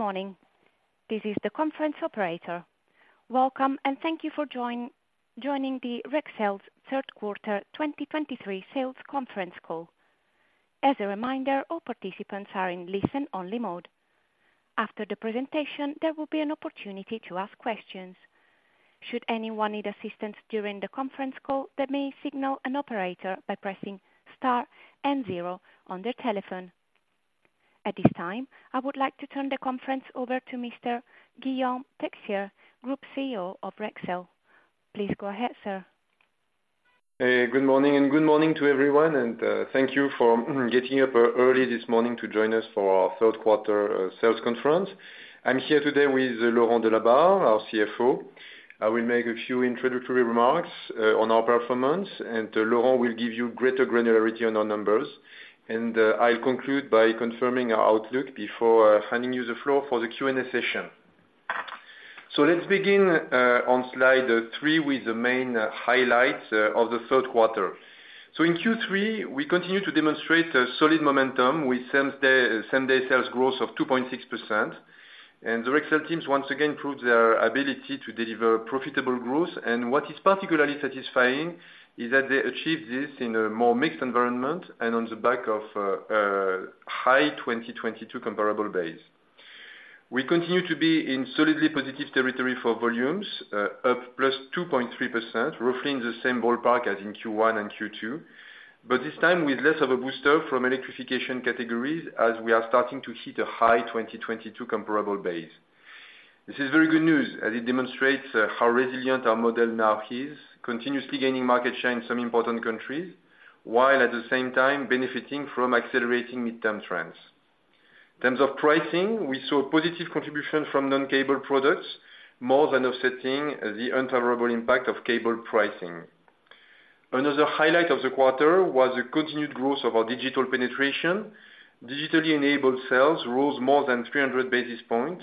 Good morning. This is the conference operator. Welcome, and thank you for joining the Rexel's third quarter 2023 sales conference call. As a reminder, all participants are in listen-only mode. After the presentation, there will be an opportunity to ask questions. Should anyone need assistance during the conference call, they may signal an operator by pressing star and zero on their telephone. At this time, I would like to turn the conference over to Mr. Guillaume Texier, Group CEO of Rexel. Please go ahead, sir. Good morning and good morning to everyone, and thank you for getting up early this morning to join us for our third quarter sales conference. I'm here today with Laurent Delabarre, our CFO. I will make a few introductory remarks on our performance, and Laurent will give you greater granularity on our numbers. I'll conclude by confirming our outlook before handing you the floor for the Q&A session. Let's begin on slide three with the main highlights of the third quarter. In Q3, we continued to demonstrate a solid momentum with same-day sales growth of 2.6%. Rexel teams once again proved their ability to deliver profitable growth, and what is particularly satisfying is that they achieved this in a more mixed environment and on the back of a high 2022 comparable base. We continue to be in solidly positive territory for volumes, up +2.3%, roughly in the same ballpark as in Q1 and Q2. This time, with less of a booster from electrification categories, as we are starting to hit a high 2022 comparable base. This is very good news, as it demonstrates how resilient our model now is, continuously gaining market share in some important countries, while at the same time benefiting from accelerating midterm trends. In terms of pricing, we saw positive contribution from non-cable products, more than offsetting the unfavorable impact of cable pricing. Another highlight of the quarter was the continued growth of our digital penetration. Digitally enabled sales rose more than 300 basis points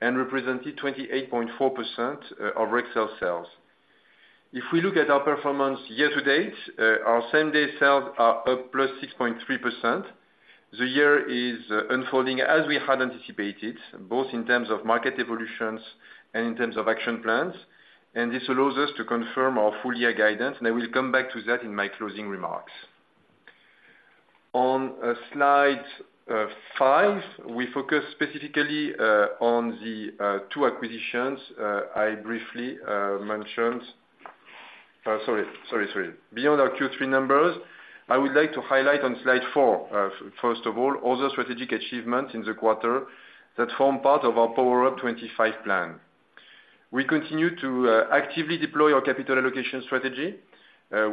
and represented 28.4% of Rexel sales. If we look at our performance year-to-date, our same-day sales are up +6.3%. The year is unfolding as we had anticipated, both in terms of market evolutions and in terms of action plans. This allows us to confirm our full-year guidance, and I will come back to that in my closing remarks. On slide five, we focus specifically on the two acquisitions I briefly mentioned. Sorry, sorry, sorry. Beyond our Q3 numbers, I would like to highlight on slide four, first of all, all the strategic achievements in the quarter that form part of our Power Up 25 plan. We continue to actively deploy our capital allocation strategy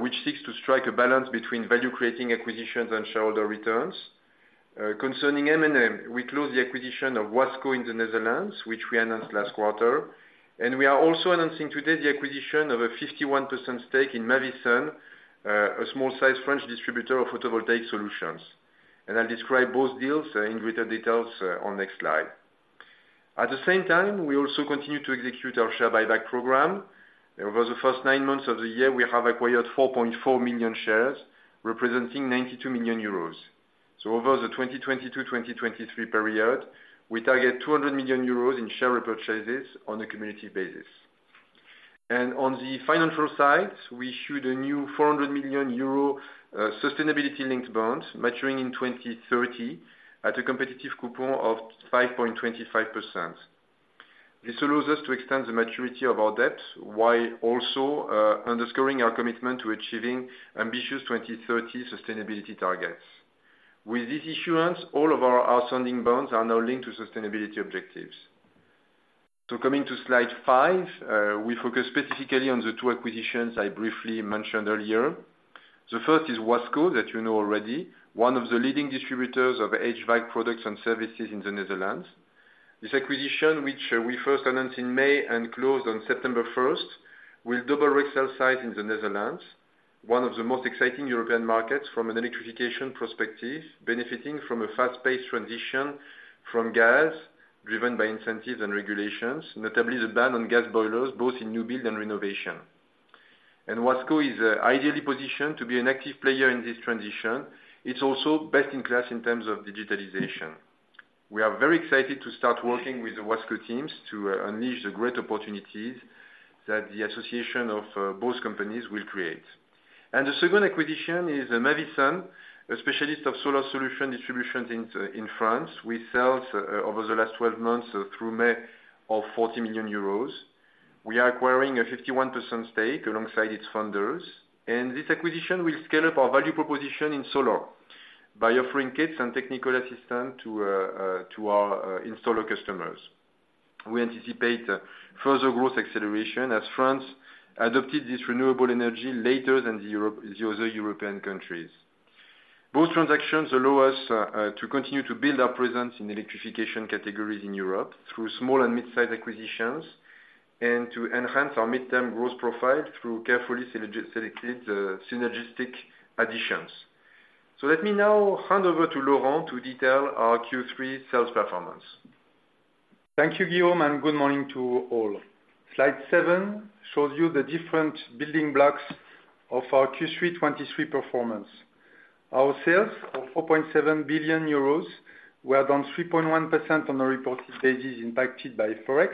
which seeks to strike a balance between value creating acquisitions and shareholder returns. Concerning M&A, we closed the acquisition of Wasco in the Netherlands which we announced last quarter. We are also announcing today the acquisition of a 51% stake in Mavisun, a small-sized French distributor of photovoltaic solutions. I'll describe both deals in greater details on next slide. At the same time, we also continue to execute our share buyback program. Over the first nine months of the year, we have acquired 4.4 million shares, representing 92 million euros. Over the 2022-2023 period, we target 200 million euros in share repurchases on a cumulative basis. On the financial side, we issued a new 400 million euro Sustainability-Linked Bonds, maturing in 2030, at a competitive coupon of 5.25%. This allows us to extend the maturity of our debt while also underscoring our commitment to achieving ambitious 2030 sustainability targets. With this issuance, all of our outstanding bonds are now linked to sustainability objectives. Coming to slide five, we focus specifically on the two acquisitions I briefly mentioned earlier. The first is Wasco, that you know already, one of the leading distributors of HVAC products and services in the Netherlands. This acquisition, which we first announced in May and closed on September 1st, will double Rexel size in the Netherlands, one of the most exciting European markets from an electrification perspective, benefiting from a fast-paced transition from gas driven by incentives and regulations, notably the ban on gas boilers, both in new build and renovation. Wasco is ideally positioned to be an active player in this transition. It's also best-in-class in terms of digitalization. We are very excited to start working with the Wasco teams to unleash the great opportunities that the association of both companies will create. The second acquisition is Mavisun, a specialist of solar solution distributions in France, with sales over the last 12 months through May of 40 million euros. We are acquiring a 51% stake alongside its founders, and this acquisition will scale up our value proposition in solar by offering kits and technical assistance to our installer customers. We anticipate further growth acceleration as France adopted this renewable energy later than the other European countries. Both transactions allow us to continue to build our presence in electrification categories in Europe through small and mid-sized acquisitions, and to enhance our midterm growth profile through carefully selected synergistic additions. Let me now hand over to Laurent to detail our Q3 sales performance. Thank you, Guillaume, and good morning to all. Slide seven shows you the different building blocks. Of our Q3 2023 performance. Our sales of 4.7 billion euros were down 3.1% on a reported basis, impacted by forex,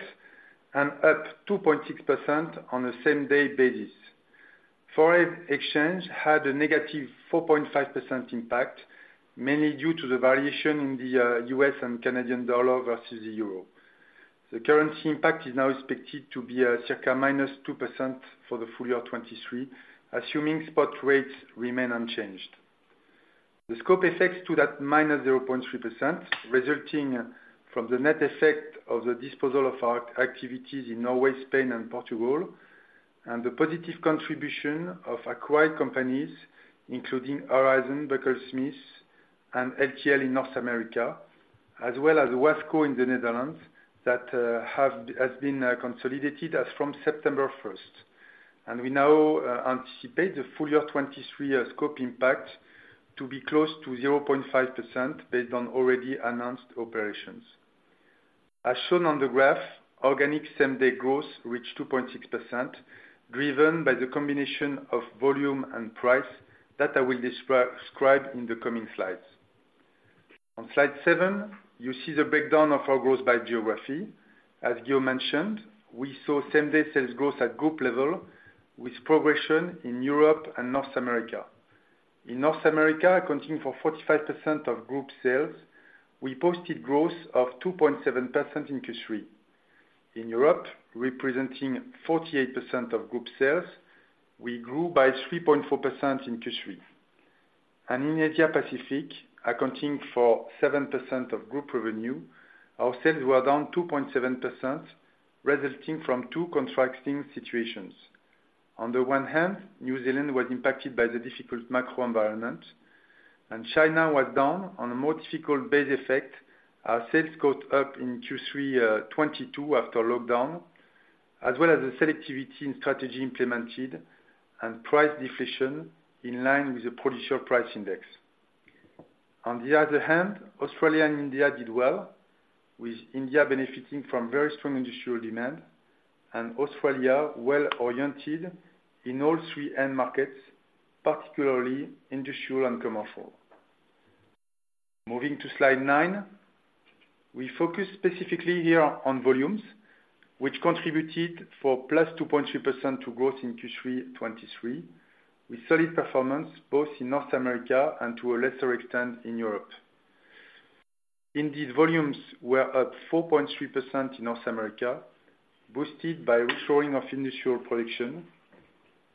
and up 2.6% on a same-day basis. Foreign exchange had a -4.5% impact, mainly due to the variation in the U.S. and Canadian dollar versus the euro. The currency impact is now expected to be circa -2% for the full year 2023, assuming spot rates remain unchanged. The scope effect stood at -0.3%, resulting from the net effect of the disposal of our activities in Norway, Spain, and Portugal, and the positive contribution of acquired companies, including Horizon, Buckles-Smith, and LTL in North America, as well as Wasco in the Netherlands, that has been consolidated as from September 1st. We now anticipate the full year 2023 scope impact to be close to 0.5% based on already announced operations. As shown on the graph, organic same-day growth reached 2.6%, driven by the combination of volume and price that I will describe in the coming slides. On slide seven, you see the breakdown of our growth by geography. As Gio mentioned, we saw same-day sales growth at group level, with progression in Europe and North America. In North America, accounting for 45% of group sales, we posted growth of 2.7% in Q3. In Europe, representing 48% of group sales, we grew by 3.4% in Q3. In Asia-Pacific, accounting for 7% of group revenue, our sales were down 2.7%, resulting from two contrasting situations. On the one hand, New Zealand was impacted by the difficult macro environment, and China was down on a more difficult base effect, our sales got up in Q3 2022 after lockdown, as well as the selectivity and strategy implemented and price deflation in line with the Producer Price Index. On the other hand, Australia and India did well, with India benefiting from very strong industrial demand and Australia well oriented in all three end markets, particularly industrial and commercial. Moving to slide nine. We focus specifically here on volumes, which contributed for +2.3% to growth in Q3 2023, with solid performance both in North America and to a lesser extent, in Europe. Indeed, volumes were up 4.3% in North America, boosted by reshoring of industrial production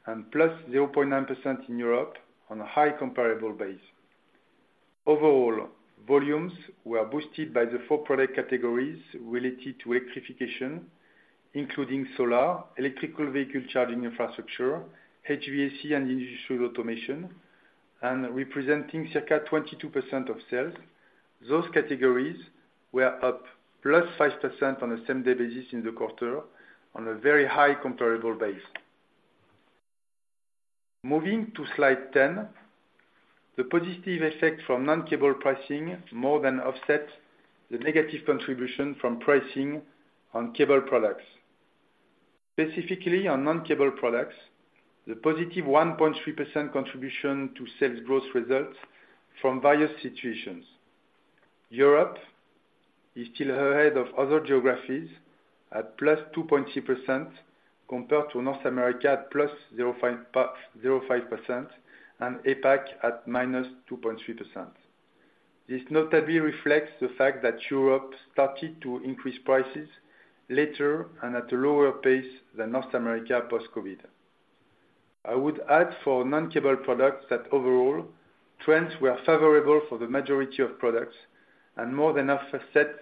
and +0.9% in Europe on a high comparable base. Overall, volumes were boosted by the four product categories related to electrification, including solar, electrical vehicle charging infrastructure, HVAC and industrial automation, and representing circa 22% of sales. Those categories were up +5% on a same-day basis in the quarter on a very high comparable base. Moving to slide 10, the positive effect from non-cable pricing more than offset the negative contribution from pricing on cable products. Specifically on non-cable products, the positive +1.3% contribution to sales growth results from various situations. Europe is still ahead of other geographies at +2.3% compared to North America at +0.5% and APAC at -2.3%. This notably reflects the fact that Europe started to increase prices later and at a lower pace than North America post-COVID. I would add for non-cable products that overall trends were favorable for the majority of products and more than offset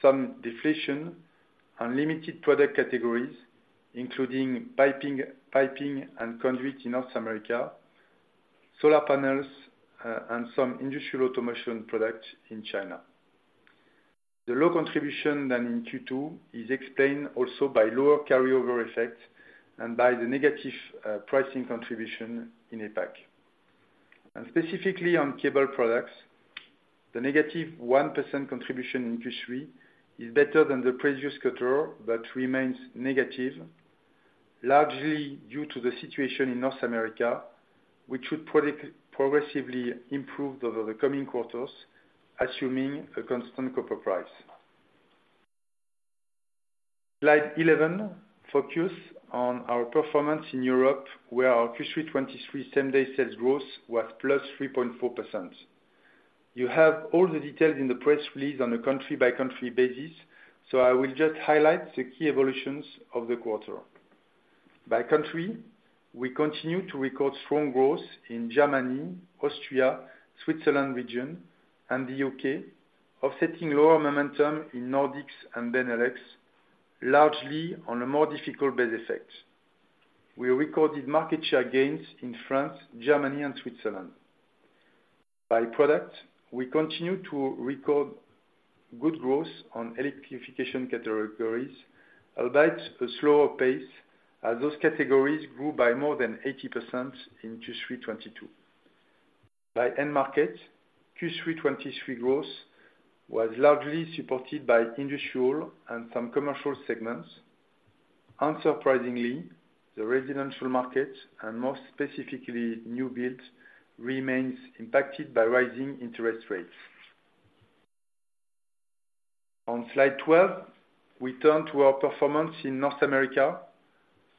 some deflation on limited product categories, including piping, piping and conduit in North America, solar panels, and some industrial automation products in China. The low contribution than in Q2 is explained also by lower carryover effect and by the negative pricing contribution in APAC. Specifically on cable products, the negative 1% contribution in Q3 is better than the previous quarter, but remains negative, largely due to the situation in North America, which should progressively improve over the coming quarters, assuming a constant copper price. Slide 11 focus on our performance in Europe, where our Q3 2023 same-day sales growth was +3.4%. You have all the details in the press release on a country-by-country basis, so I will just highlight the key evolutions of the quarter. By country, we continue to record strong growth in Germany, Austria, Switzerland region, and the U.K., offsetting lower momentum in Nordics and Benelux, largely on a more difficult base effect. We recorded market share gains in France, Germany, and Switzerland. By product, we continue to record good growth on electrification categories, albeit a slower pace, as those categories grew by more than 80% in Q3 2022. By end market, Q3 2023 growth was largely supported by industrial and some commercial segments. Unsurprisingly, the residential market, and more specifically, new build, remains impacted by rising interest rates. On Slide 12, we turn to our performance in North America,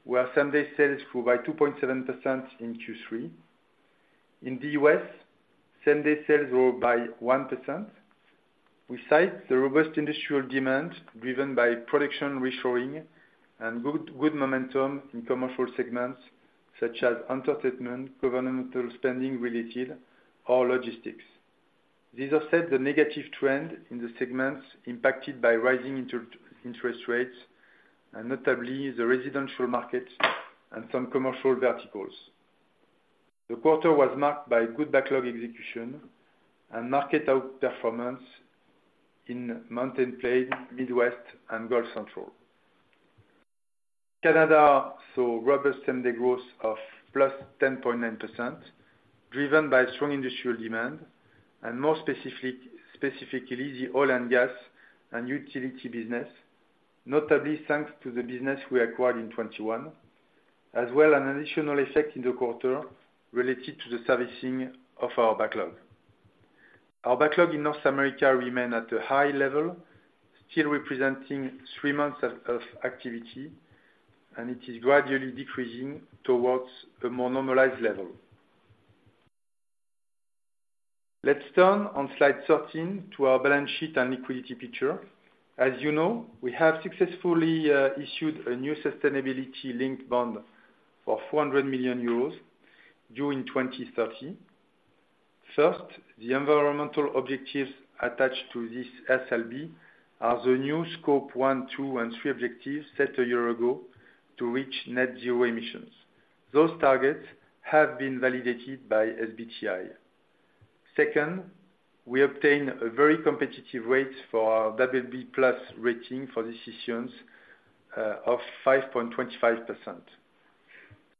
where same-day sales grew by 2.7% in Q3. In the U.S., same-day sales grew by 1%. We cite the robust industrial demand, driven by production reshoring and good momentum in commercial segments such as entertainment, governmental spending related, or logistics. These offset the negative trend in the segments impacted by rising interest rates, and notably the residential market and some commercial verticals. The quarter was marked by good backlog execution and market outperformance in Mountain Plains, Midwest, and Gulf Central. Canada saw robust same-day growth of +10.9%, driven by strong industrial demand and more specifically, the oil and gas and utility business, notably thanks to the business we acquired in 2021, as well an additional effect in the quarter related to the servicing of our backlog. Our backlog in North America remain at a high level, still representing three months of activity, and it is gradually decreasing towards a more normalized level. Let's turn on Slide 13 to our balance sheet and liquidity picture. As you know, we have successfully issued a new Sustainability-Linked Bond for EUR 400 million during 2030. First, the environmental objectives attached to this SLB are the new Scope 1, 2, and 3 objectives set a year ago to reach net zero emissions. Those targets have been validated by SBTi. Second, we obtain a very competitive rate for our BB+ rating for the issuance of 5.25%.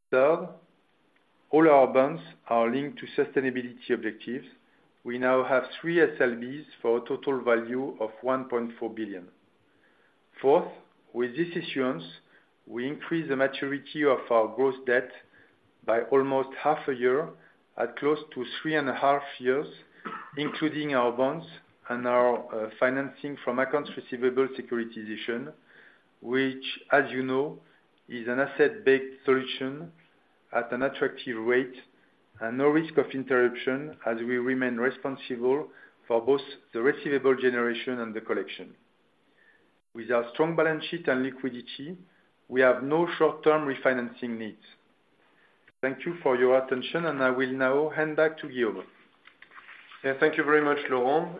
Third, all our bonds are linked to sustainability objectives. We now have three SLBs for a total value of 1.4 billion. Fourth, with this issuance, we increase the maturity of our gross debt by almost half a year, at close to 3.5 years, including our bonds and our financing from accounts receivable securitization, which, as you know, is an asset-based solution at an attractive rate and no risk of interruption, as we remain responsible for both the receivable generation and the collection. With our strong balance sheet and liquidity, we have no short-term refinancing needs. Thank you for your attention, and I will now hand back to Guillaume. Yeah, thank you very much, Laurent.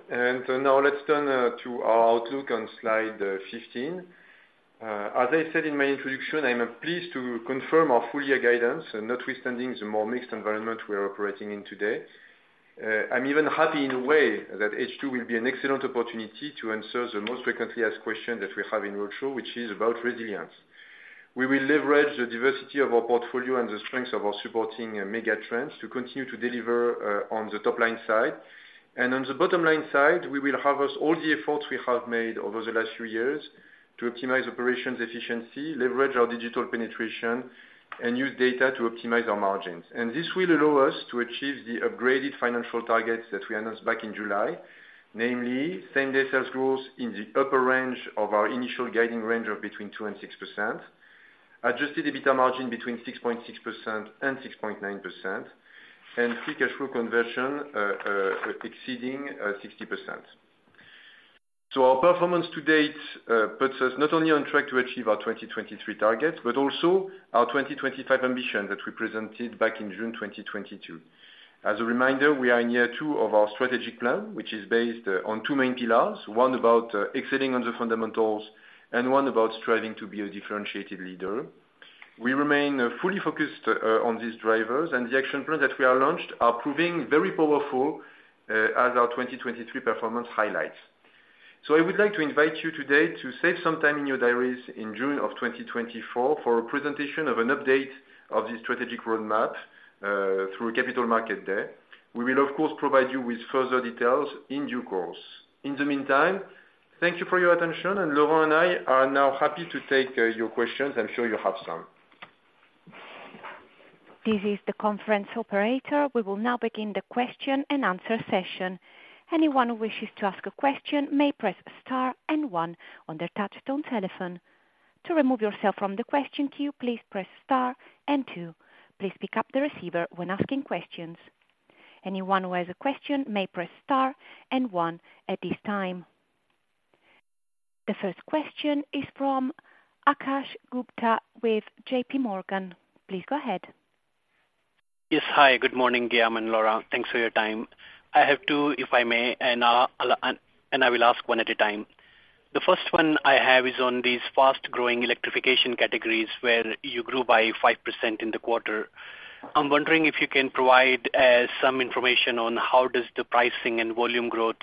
Now let's turn to our outlook on slide 15. As I said in my introduction, I'm pleased to confirm our full-year guidance, notwithstanding the more mixed environment we are operating in today. I'm even happy in a way that H2 will be an excellent opportunity to answer the most frequently asked question that we have in virtual, which is about resilience. We will leverage the diversity of our portfolio and the strengths of our supporting megatrends to continue to deliver on the top-line side. On the bottom-line side, we will harvest all the efforts we have made over the last few years to optimize operations efficiency, leverage our digital penetration, and use data to optimize our margins. This will allow us to achieve the upgraded financial targets that we announced back in July. Namely, same-day sales growth in the upper range of our initial guiding range of between 2% and 6%, Adjusted EBITDA margin between 6.6% and 6.9%, and free cash flow conversion exceeding 60%. Our performance to date puts us not only on track to achieve our 2023 targets, but also our 2025 ambition that we presented back in June 2022. As a reminder, we are in year two of our strategic plan, which is based on two main pillars, one about exceeding on the fundamentals and one about striving to be a differentiated leader. We remain fully focused on these drivers, and the action plan that we are launched are proving very powerful as our 2023 performance highlights. I would like to invite you today to save some time in your diaries in June of 2024 for a presentation of an update of the strategic roadmap through Capital Markets Day. We will, of course, provide you with further details in due course. In the meantime, thank you for your attention, and Laurent and I are now happy to take your questions. I'm sure you have some. This is the conference operator. We will now begin the question and answer session. Anyone who wishes to ask a question may press star and one on their touchtone telephone. To remove yourself from the question queue, please press star and two. Please pick up the receiver when asking questions. Anyone who has a question may press star and one at this time. The first question is from Akash Gupta with JPMorgan. Please go ahead. Yes. Hi, good morning, Guillaume and Laurent. Thanks for your time. I have two, if I may, and I will ask one at a time. The first one I have is on these fast-growing electrification categories, where you grew by 5% in the quarter. I'm wondering if you can provide some information on how does the pricing and volume growth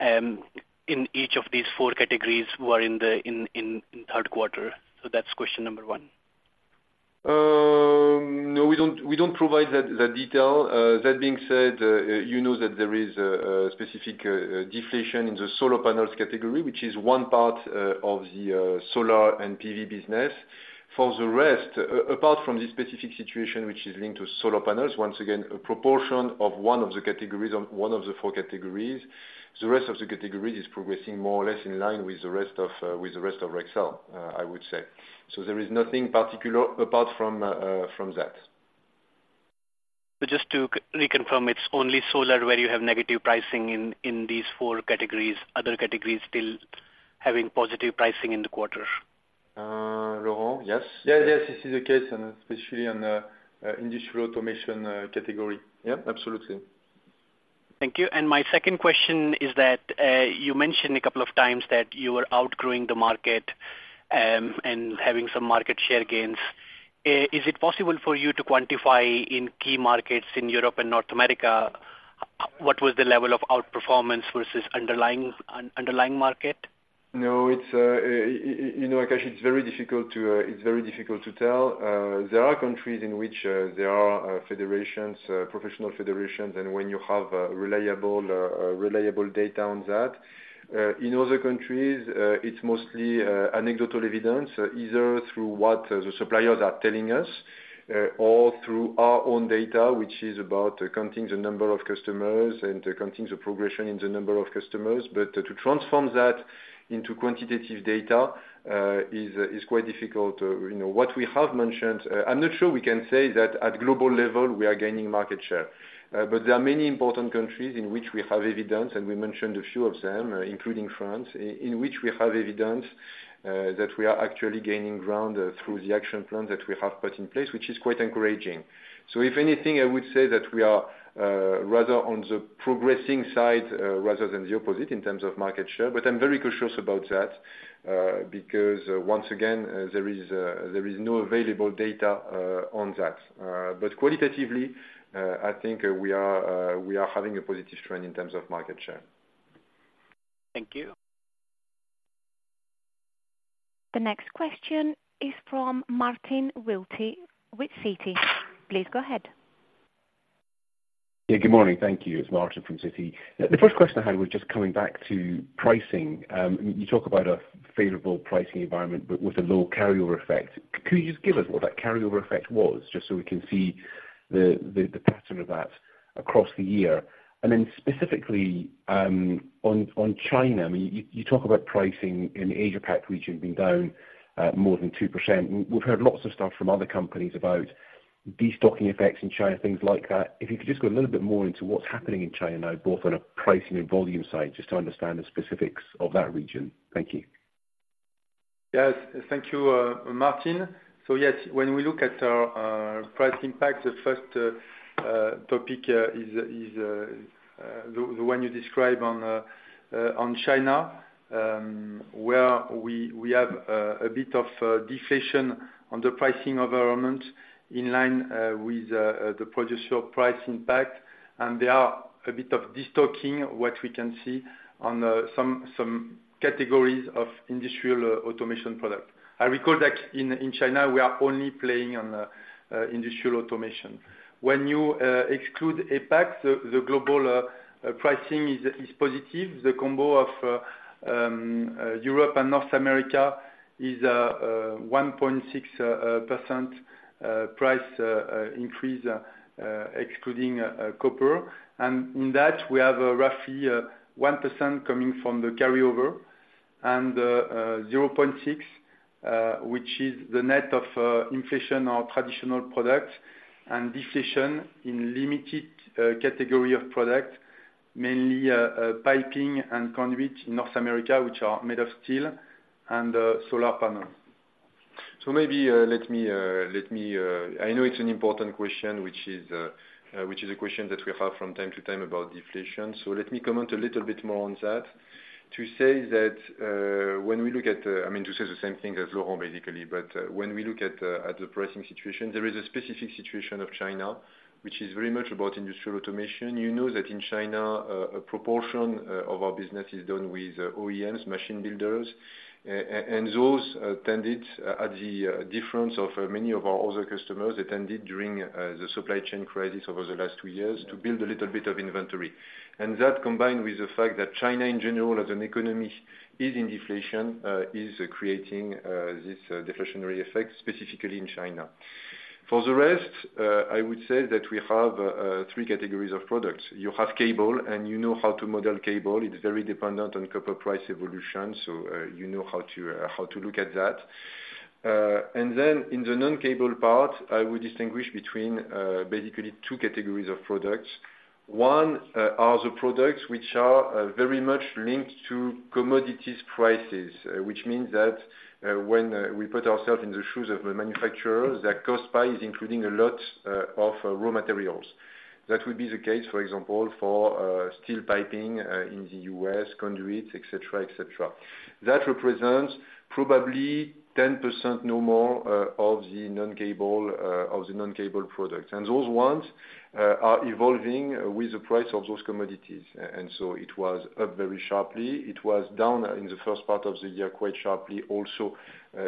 in each of these four categories were in the third quarter? That's question number one. No, we don't, we don't provide that, that detail. That being said, you know, that there is a, a specific deflation in the solar panels category, which is one part of the solar and PV business. For the rest, apart from this specific situation, which is linked to solar panels, once again, a proportion of one of the categories, of one of the four categories, the rest of the categories is progressing more or less in line with the rest of with the rest of Rexel, I would say. There is nothing particular apart from from that. Just to reconfirm, it's only solar where you have negative pricing in these four categories, other categories still having positive pricing in the quarter? Laurent, yes? Yeah, yes, this is the case and especially on the industrial automation category. Yeah, absolutely. Thank you. My second question is that you mentioned a couple of times that you were outgrowing the market and having some market share gains. Is it possible for you to quantify in key markets in Europe and North America, what was the level of outperformance versus underlying market? No, you know, Akash, it's very difficult to tell. There are countries in which there are federations, professional federations, and when you have reliable data on that. In other countries, it's mostly anecdotal evidence, either through what the suppliers are telling us or through our own data, which is about counting the number of customers and counting the progression in the number of customers. To transform that into quantitative data is quite difficult. You know, what we have mentioned, I'm not sure we can say that at global level, we are gaining market share. say..." So "I would say" stays "I would say". * *Wait, let me re-check the "I think" vs "I'd think".* Original: "...I think..." So "I think" stays "I think". * *Wait, let me re-check the "we mentioned" vs "we've mentioned".* Original: "...we mentioned..." So "we mentioned" stays "we mentioned". * *Wait, let me re-check the "we have put in place" vs "we've put in place".* Thank you. The next question is from Martin Wilkie with Citi. Please go ahead. Yeah, good morning. Thank you. It's Martin from Citi. The first question I had was just coming back to pricing. You talk about a favorable pricing environment, but with a low carryover effect. Could you just give us what that carryover effect was, just so we can see the pattern of that across the year? Specifically on China, I mean, you talk about pricing in Asia-Pac region being down more than 2%. We've heard lots of stuff from other companies about destocking effects in China, things like that. If you could just go a little bit more into what's happening in China now, both on a pricing and volume side, just to understand the specifics of that region. Thank you. Yes, thank you, Martin. Yes, when we look at our price impact, the first topic is the one you describe on China, where we have a bit of deflation on the pricing environment in line with the producer price impact. There are a bit of destocking, what we can see on some categories of industrial automation products. I recall that in China, we are only playing on industrial automation. When you exclude APAC, the global pricing is positive. The combo of Europe and North America is 1.6% price increase excluding copper. In that, we have roughly 1% coming from the carryover and 0.6, which is the net of inflation on traditional products and deflation in limited category of products, mainly piping and conduit in North America, which are made of steel, and solar panels. I know it's an important question, which is a question that we have from time to time about deflation. Let me comment a little bit more on that to say that when we look at, I mean, to say the same thing as Laurent basically, but when we look at the pricing situation, there is a specific situation of China, which is very much about industrial automation. You know that in China, a proportion of our business is done with OEMs, machine builders, and those tended at the difference of many of our other customers, they tended during the supply chain crisis over the last two years to build a little bit of inventory. That, combined with the fact that China, in general, as an economy is in deflation, is creating this deflationary effect, specifically in China. For the rest, I would say that we have three categories of products. You have cable, and you know how to model cable. It's very dependent on copper price evolution, so you know how to look at that. In the non-cable part, I would distinguish between basically two categories of products. One are the products which are very much linked to commodities prices, which means that when we put ourselves in the shoes of a manufacturer, their cost price is including a lot of raw materials. That would be the case, for example, for steel piping in the U.S., conduits, et cetera, et cetera. That represents probably 10%, no more, of the non-cable product. Those ones are evolving with the price of those commodities. It was up very sharply. It was down in the first part of the year, quite sharply also,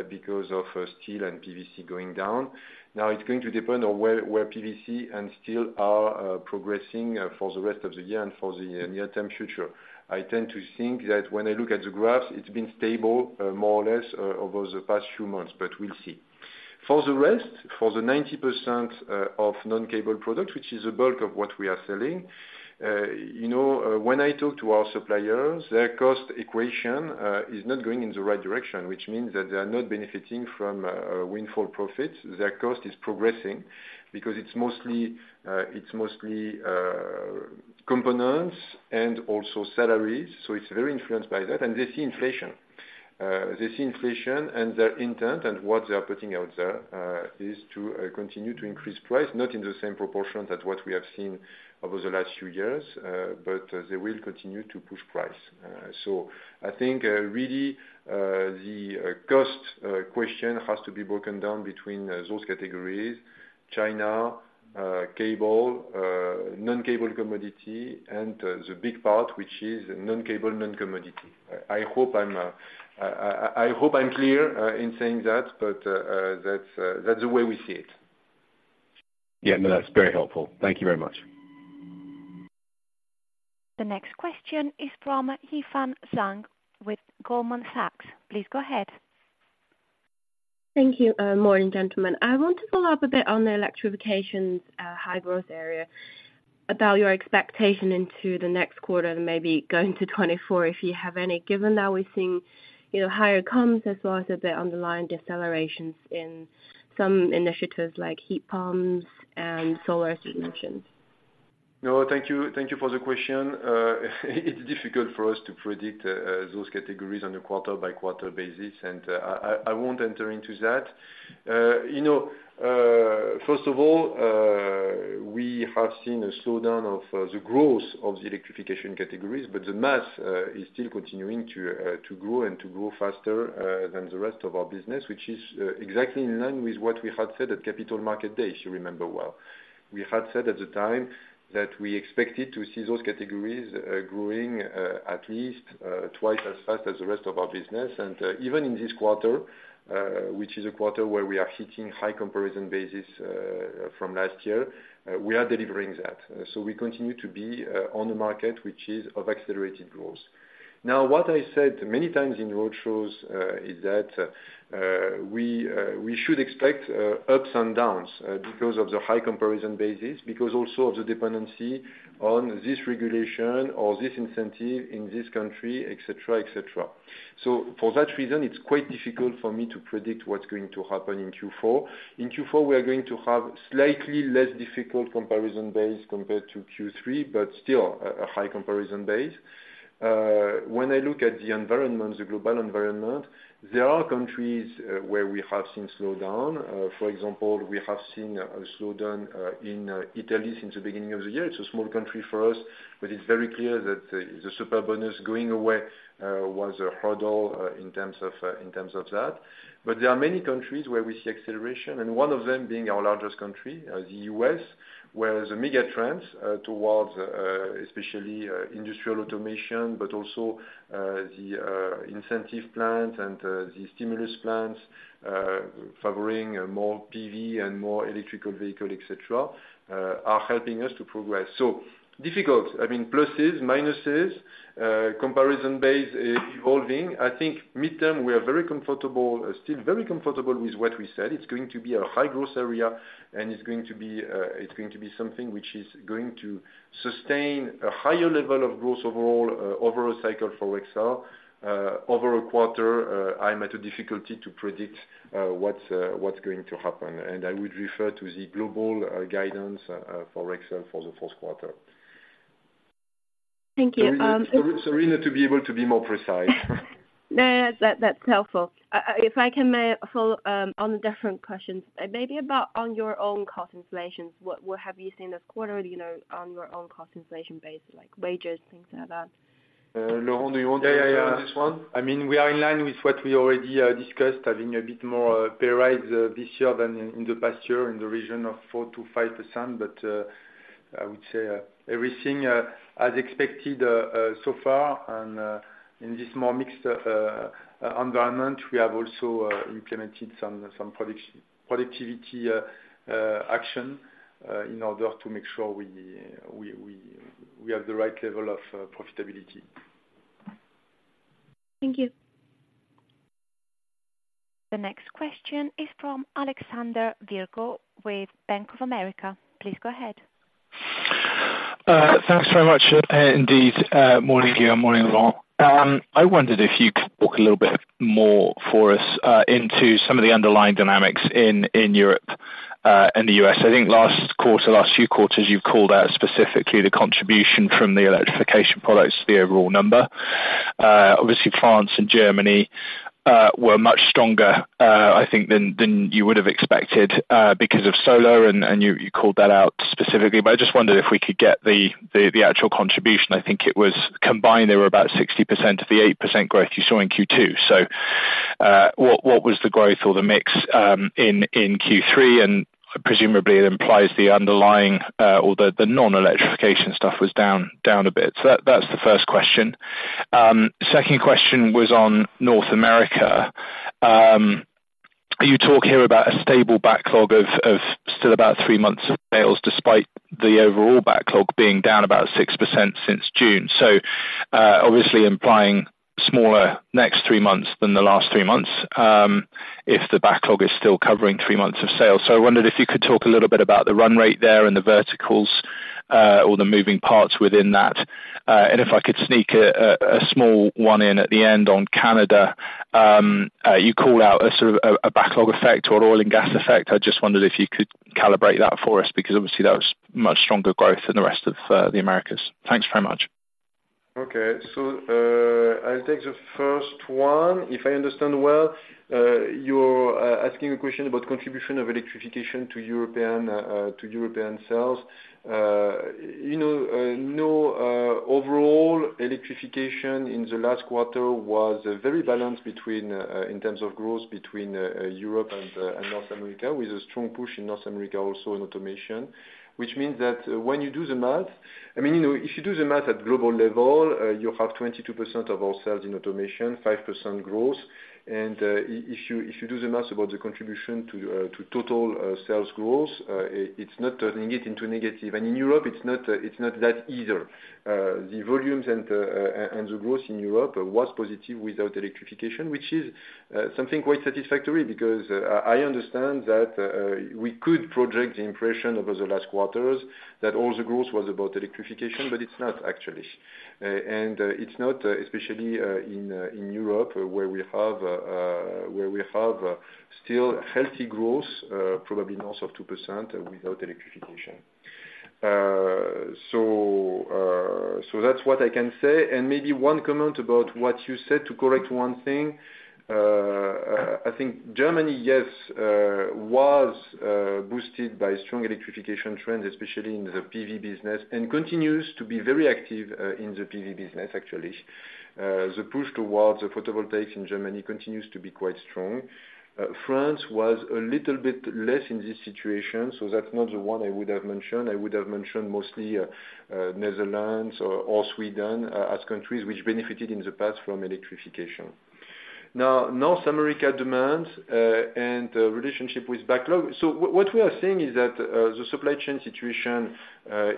because of steel and PVC going down. Now it's going to depend on where PVC and steel are progressing for the rest of the year and for the near-term future. I tend to think that when I look at the graphs, it's been stable, more or less, over the past few months, but we'll see. For the rest, for the 90% of non-cable products, which is the bulk of what we are selling, you know, when I talk to our suppliers, their cost equation is not going in the right direction, which means that they are not benefiting from windfall profits. Their cost is progressing because it's mostly components and also salaries, so it's very influenced by that, and they see inflation. They see inflation and their intent and what they are putting out there is to continue to increase price, not in the same proportion that what we have seen over the last few years, but they will continue to push price. I think really the cost question has to be broken down between those categories, China, cable, non-cable commodity, and the big part, which is non-cable, non-commodity. I hope I'm clear in saying that, but that's the way we see it. Yeah, no, that's very helpful. Thank you very much. The next question is from Jingjiao Zhang with Goldman Sachs. Please go ahead. Thank you. Morning, gentlemen. I want to follow up a bit on the electrifications high-growth area, about your expectation into the next quarter and maybe going to 2024, if you have any, given that we're seeing, you know, higher comps as well as a bit underlying decelerations in some initiatives like heat pumps and solar solutions. No, thank you. Thank you for the question. It's difficult for us to predict those categories on a quarter-by-quarter basis, and I won't enter into that. You know, first of all, we have seen a slowdown of the growth of the electrification categories, but the mass is still continuing to grow and to grow faster than the rest of our business, which is exactly in line with what we had said at Capital Markets Day, if you remember well. We had said at the time that we expected to see those categories growing at least twice as fast as the rest of our business. Even in this quarter, which is a quarter where we are hitting high comparison basis from last year, we are delivering that. We continue to be on the market, which is of accelerated growth. Now, what I said many times in road shows is that we should expect ups and downs because of the high comparison basis, because also of the dependency on this regulation or this incentive in this country, et cetera, et cetera. For that reason, it's quite difficult for me to predict what's going to happen in Q4. In Q4, we are going to have slightly less difficult comparison base compared to Q3, but still a high comparison base. When I look at the environment, the global environment, there are countries where we have seen slowdown. For example, we have seen a slowdown in Italy since the beginning of the year. It's a small country for us, but it's very clear that the Superbonus going away was a hurdle in terms of that. There are many countries where we see acceleration, and one of them being our largest country, the U.S., where the megatrends towards especially industrial automation, but also the incentive plans and the stimulus plans favoring more PV and more electrical vehicle, et cetera, are helping us to progress. Difficult, I mean, pluses, minuses, comparison base is evolving. I think midterm, we are very comfortable, still very comfortable with what we said. It's going to be a high-growth area, and it's going to be something which is going to sustain a higher level of growth overall over a cycle for Rexel. Over a quarter, I'm at a difficulty to predict what's going to happen, and I would refer to the global guidance for Rexel for the fourth quarter. Thank you. Sorry not to be able to be more precise. No, that's helpful. If I may follow on a different question, maybe about your own cost inflations, what have you seen this quarter, you know, on your own cost inflation base, like wages, things like that? Laurent, do you want to take this one? Yeah, yeah, yeah. I mean, we are in line with what we already discussed, having a bit more pay rise this year than in the past year, in the region of 4%-5%. I would say everything as expected so far. In this more mixed environment, we have also implemented some productivity action in order to make sure we have the right level of profitability. Thank you. The next question is from Alexander Virgo with Bank of America. Please go ahead. Thanks very much indeed. Morning to you, morning, Laurent. I wondered if you could talk a little bit more for us into some of the underlying dynamics in Europe and the U.S. I think last quarter, last few quarters, you've called out specifically the contribution from the electrification products to the overall number. Obviously, France and Germany were much stronger, I think, than you would have expected because of solar, and you called that out specifically. I just wondered if we could get the actual contribution. I think it was combined, there were about 60% of the 8% growth you saw in Q2. What was the growth or the mix in Q3? Presumably it implies the underlying or the non-electrification stuff was down a bit. Second question was on North America. You talk here about a stable backlog of still about three months of sales, despite the overall backlog being down about 6% since June. Obviously implying smaller next three months than the last three months if the backlog is still covering three months of sale. I wondered if you could talk a little bit about the run rate there and the verticals or the moving parts within that. If I could sneak a small one in at the end on Canada. You called out a sort of a backlog effect or an oil and gas effect. I just wondered if you could calibrate that for us, because obviously that was much stronger growth than the rest of the Americas. Thanks very much. Okay. I'll take the first one. If I understand well, you're asking a question about contribution of electrification to European, to European sales. You know, no, overall, electrification in the last quarter was very balanced between, in terms of growth between, Europe and North America, with a strong push in North America, also in automation. Which means that when you do the math, I mean, you know, if you do the math at global level, you have 22% of our sales in automation, 5% growth. If you, if you do the math about the contribution to total sales growth, it's not turning it into negative. In Europe, it's not, it's not that either. The volumes and the growth in Europe was positive without electrification, which is something quite satisfactory, because I understand that we could project the impression over the last quarters, that all the growth was about electrification, but it's not actually. It's not especially in Europe, where we have still healthy growth, probably north of 2% without electrification. That's what I can say. Maybe one comment about what you said, to correct one thing. I think Germany, yes, was boosted by strong electrification trends, especially in the PV business, and continues to be very active in the PV business, actually. The push towards the photovoltaics in Germany continues to be quite strong. France was a little bit less in this situation, so that's not the one I would have mentioned. I would have mentioned mostly Netherlands or Sweden as countries which benefited in the past from electrification. Now, North America demand and relationship with backlog. What we are seeing is that the supply chain situation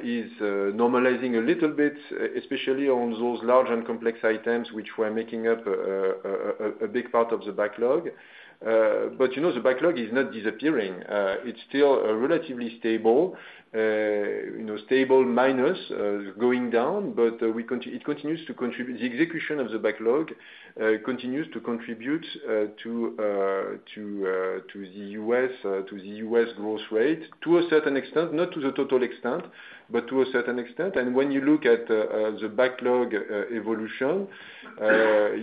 is normalizing a little bit, especially on those large and complex items which were making up a big part of the backlog. You know, the backlog is not disappearing. It's still relatively stable, you know, stable minus, going down, but it continues to contribute. The execution of the backlog continues to contribute to the U.S. growth rate to a certain extent, not to the total extent, but to a certain extent. When you look at the backlog evolution,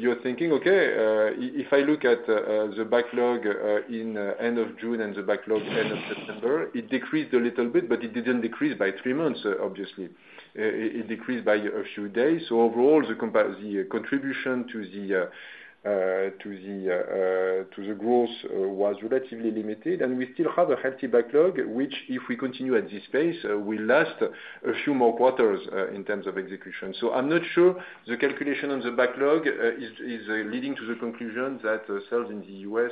you're thinking, "Okay, if I look at the backlog in end of June and the backlog end of September, it decreased a little bit," but it didn't decrease by three months, obviously. It decreased by a few days. Overall, the contribution to the growth was relatively limited. We still have a healthy backlog, which, if we continue at this pace, will last a few more quarters in terms of execution. I'm not sure the calculation on the backlog is leading to the conclusion that sales in the U.S.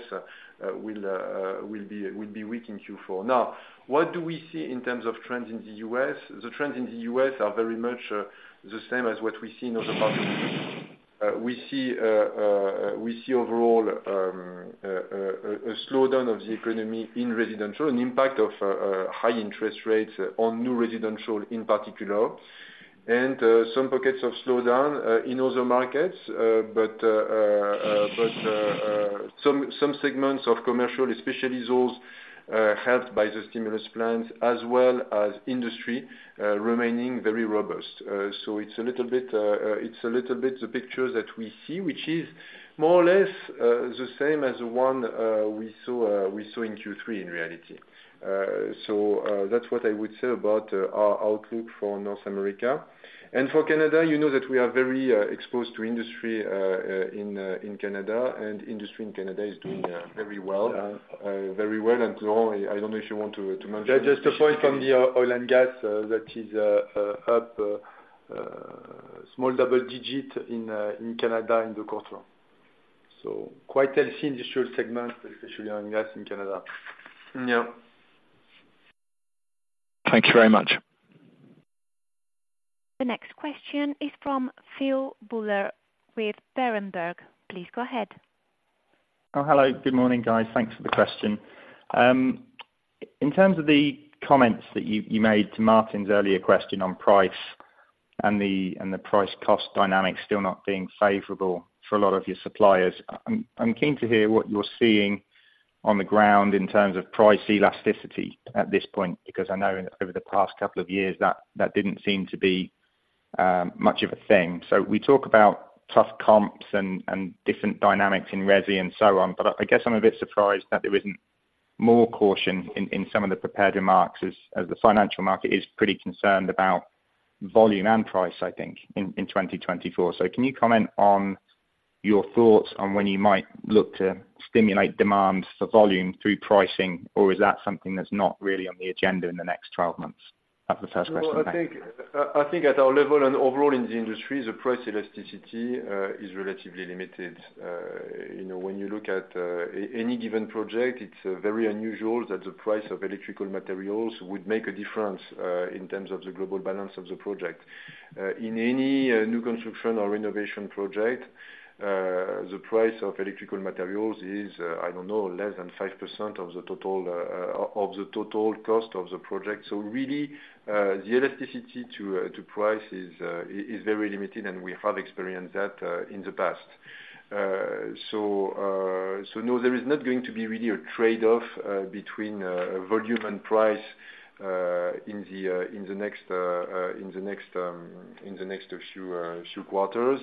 will be weak in Q4. Now, what do we see in terms of trends in the U.S.? The trends in the U.S. are very much the same as what we see in other markets. We see overall a slowdown of the economy in residential, an impact of high interest rates on new residential, in particular. Some pockets of slowdown in other markets, but some segments of commercial, especially those helped by the stimulus plans, as well as industry, remaining very robust. It's a little bit the picture that we see, which is more or less the same as the one we saw in Q3, in reality. That's what I would say about our outlook for North America. For Canada, you know, that we are very exposed to industry in Canada, and industry in Canada is doing very well. Laurent, I don't know if you want to mention. Just a point from the oil and gas that is up small double-digit in Canada in the quarter. Quite healthy industrial segment, especially oil and gas in Canada. Yeah. Thank you very much. The next question is from Phil Buller with Berenberg. Please go ahead. Oh, hello. Good morning, guys. Thanks for the question. In terms of the comments that you made to Martin's earlier question on price and the price cost dynamic still not being favorable for a lot of your suppliers, I'm keen to hear what you're seeing on the ground in terms of price elasticity at this point, because I know over the past couple of years, that didn't seem to be much of a thing. We talk about tough comps and different dynamics in resi and so on, but I guess I'm a bit surprised that there isn't more caution in some of the prepared remarks, as the financial market is pretty concerned about volume and price, I think, in 2024. Can you comment on your thoughts on when you might look to stimulate demand for volume through pricing? Is that something that's not really on the agenda in the next 12 months? That's the first question, thanks. Well, I think at our level and overall in the industry, the price elasticity is relatively limited. You know, when you look at any given project, it's very unusual that the price of electrical materials would make a difference in terms of the global balance of the project. In any new construction or renovation project, the price of electrical materials is, I don't know, less than 5% of the total cost of the project. Really, the elasticity to price is very limited, and we have experienced that in the past. No, there is not going to be really a trade-off between volume and price in the next few quarters.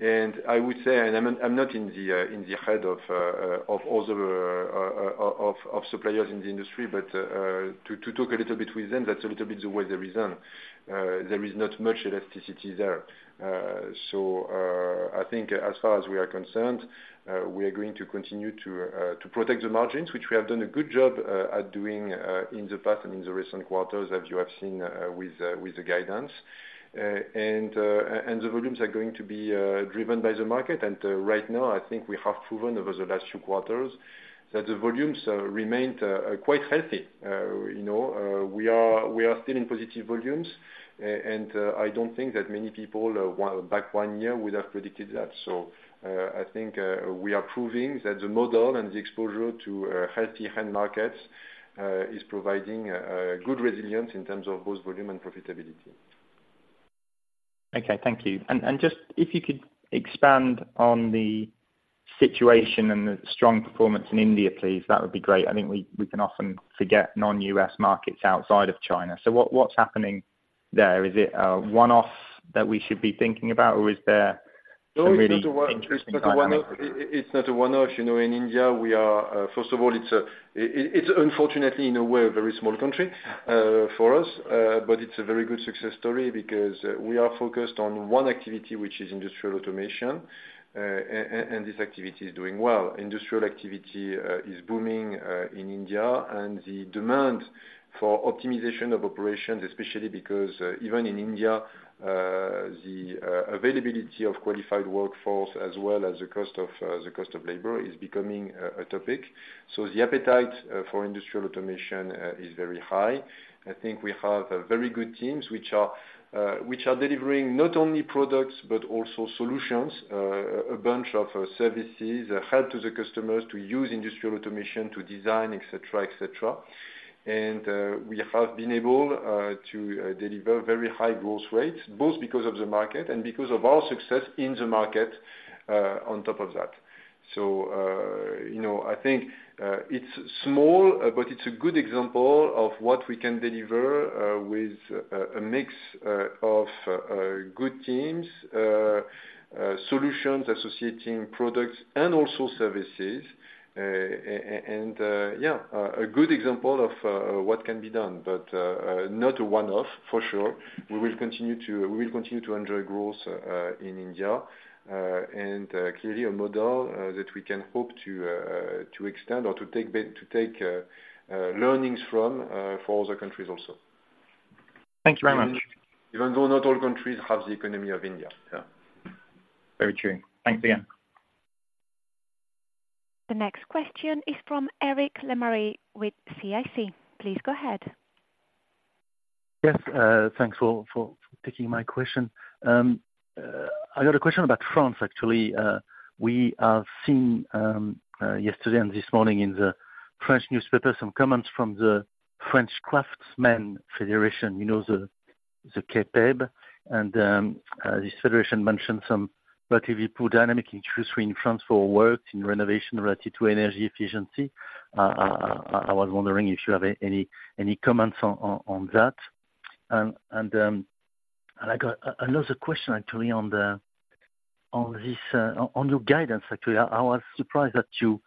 I would say, and I'm not in the head of all the suppliers in the industry, but to talk a little bit with them, that's a little bit the reason. There is not much elasticity there. I think as far as we are concerned, we are going to continue to protect the margins, which we have done a good job at doing in the past and in the recent quarters that you have seen with the guidance. The volumes are going to be driven by the market. Right now, I think we have proven over the last few quarters that the volumes remained quite healthy. You know, we are still in positive volumes. I don't think that many people back one year would have predicted that. I think we are proving that the model and the exposure to healthy end markets is providing a good resilience in terms of both volume and profitability. Okay, thank you. Just if you could expand on the situation and the strong performance in India, please, that would be great. I think we can often forget non-U.S. markets outside of China. What's happening there? Is it a one-off that we should be thinking about, or is there some really interesting dynamic? It's not a one-off. You know, in India, first of all, it's unfortunately, in a way, a very small country for us. But it's a very good success story because we are focused on one activity, which is industrial automation. This activity is doing well. Industrial activity is booming in India, and the demand for optimization of operations, especially because even in India, the availability of qualified workforce, as well as the cost of labor, is becoming a topic. The appetite for industrial automation is very high. I think we have a very good teams which are delivering not only products, but also solutions, a bunch of services, help to the customers to use industrial automation, to design, et cetera, et cetera. We have been able to deliver very high growth rates, both because of the market and because of our success in the market, on top of that. You know, I think it's small, but it's a good example of what we can deliver with a mix of good teams, solutions, associating products and also services. Yeah, a good example of what can be done, but not a one-off, for sure. We will continue to enjoy growth in India. Clearly a model that we can hope to extend or to take learnings from for other countries also. Thank you very much. Even though not all countries have the economy of India. Yeah. Very true. Thanks again. The next question is from Eric Lemarié with CIC. Please go ahead. Yes, thanks for taking my question. I got a question about France, actually. We have seen yesterday and this morning in the French newspaper some comments from the French Craftsmen Federation, you know, the CAPEB. This federation mentioned some relatively poor dynamic industry in France for works in renovation related to energy efficiency. I was wondering if you have any comments on that? I got another question, actually, on your guidance, actually. I was surprised that you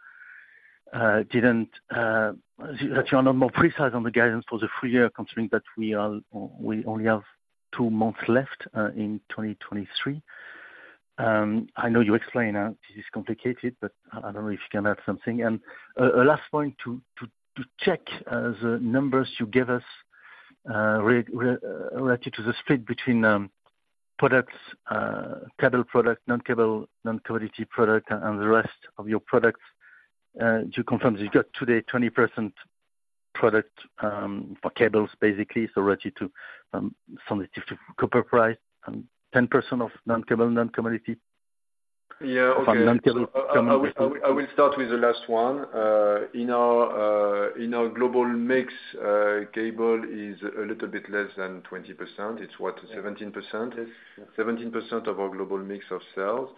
are not more precise on the guidance for the full year, considering that we only have two months left in 2023. I know you explained how this is complicated, but I don't know if you can add something. Last point to check the numbers you gave us related to the split between products, cable product, non-cable, non-commodity product, and the rest of your products. To confirm, you got today 20% product for cables, basically, so related to some different copper price, and 10% of non-cable, non-commodity? Yeah. Okay. Non-cable- I will start with the last one. In our global mix, cable is a little bit less than 20%. It's what? 17%. Yes. 17% of our global mix of sales.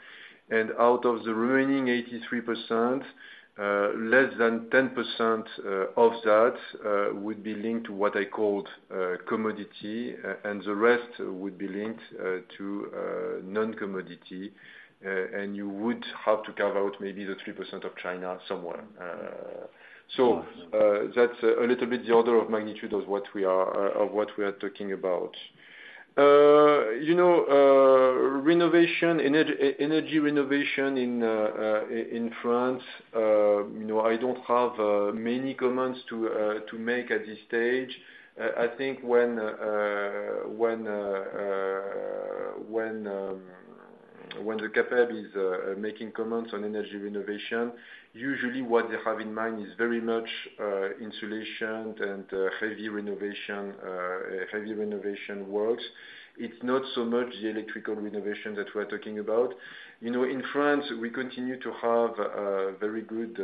Out of the remaining 83%, less than 10% of that would be linked to what I called commodity and the rest would be linked to non-commodity. You would have to carve out maybe the 3% of China somewhere. That's a little bit the order of magnitude of what we are talking about. You know, energy renovation in France, you know, I don't have many comments to make at this stage. I think when the CAPEB is making comments on energy renovation, usually what they have in mind is very much insulation and heavy renovation, heavy renovation works. It's not so much the electrical renovation that we're talking about. You know, in France, we continue to have very good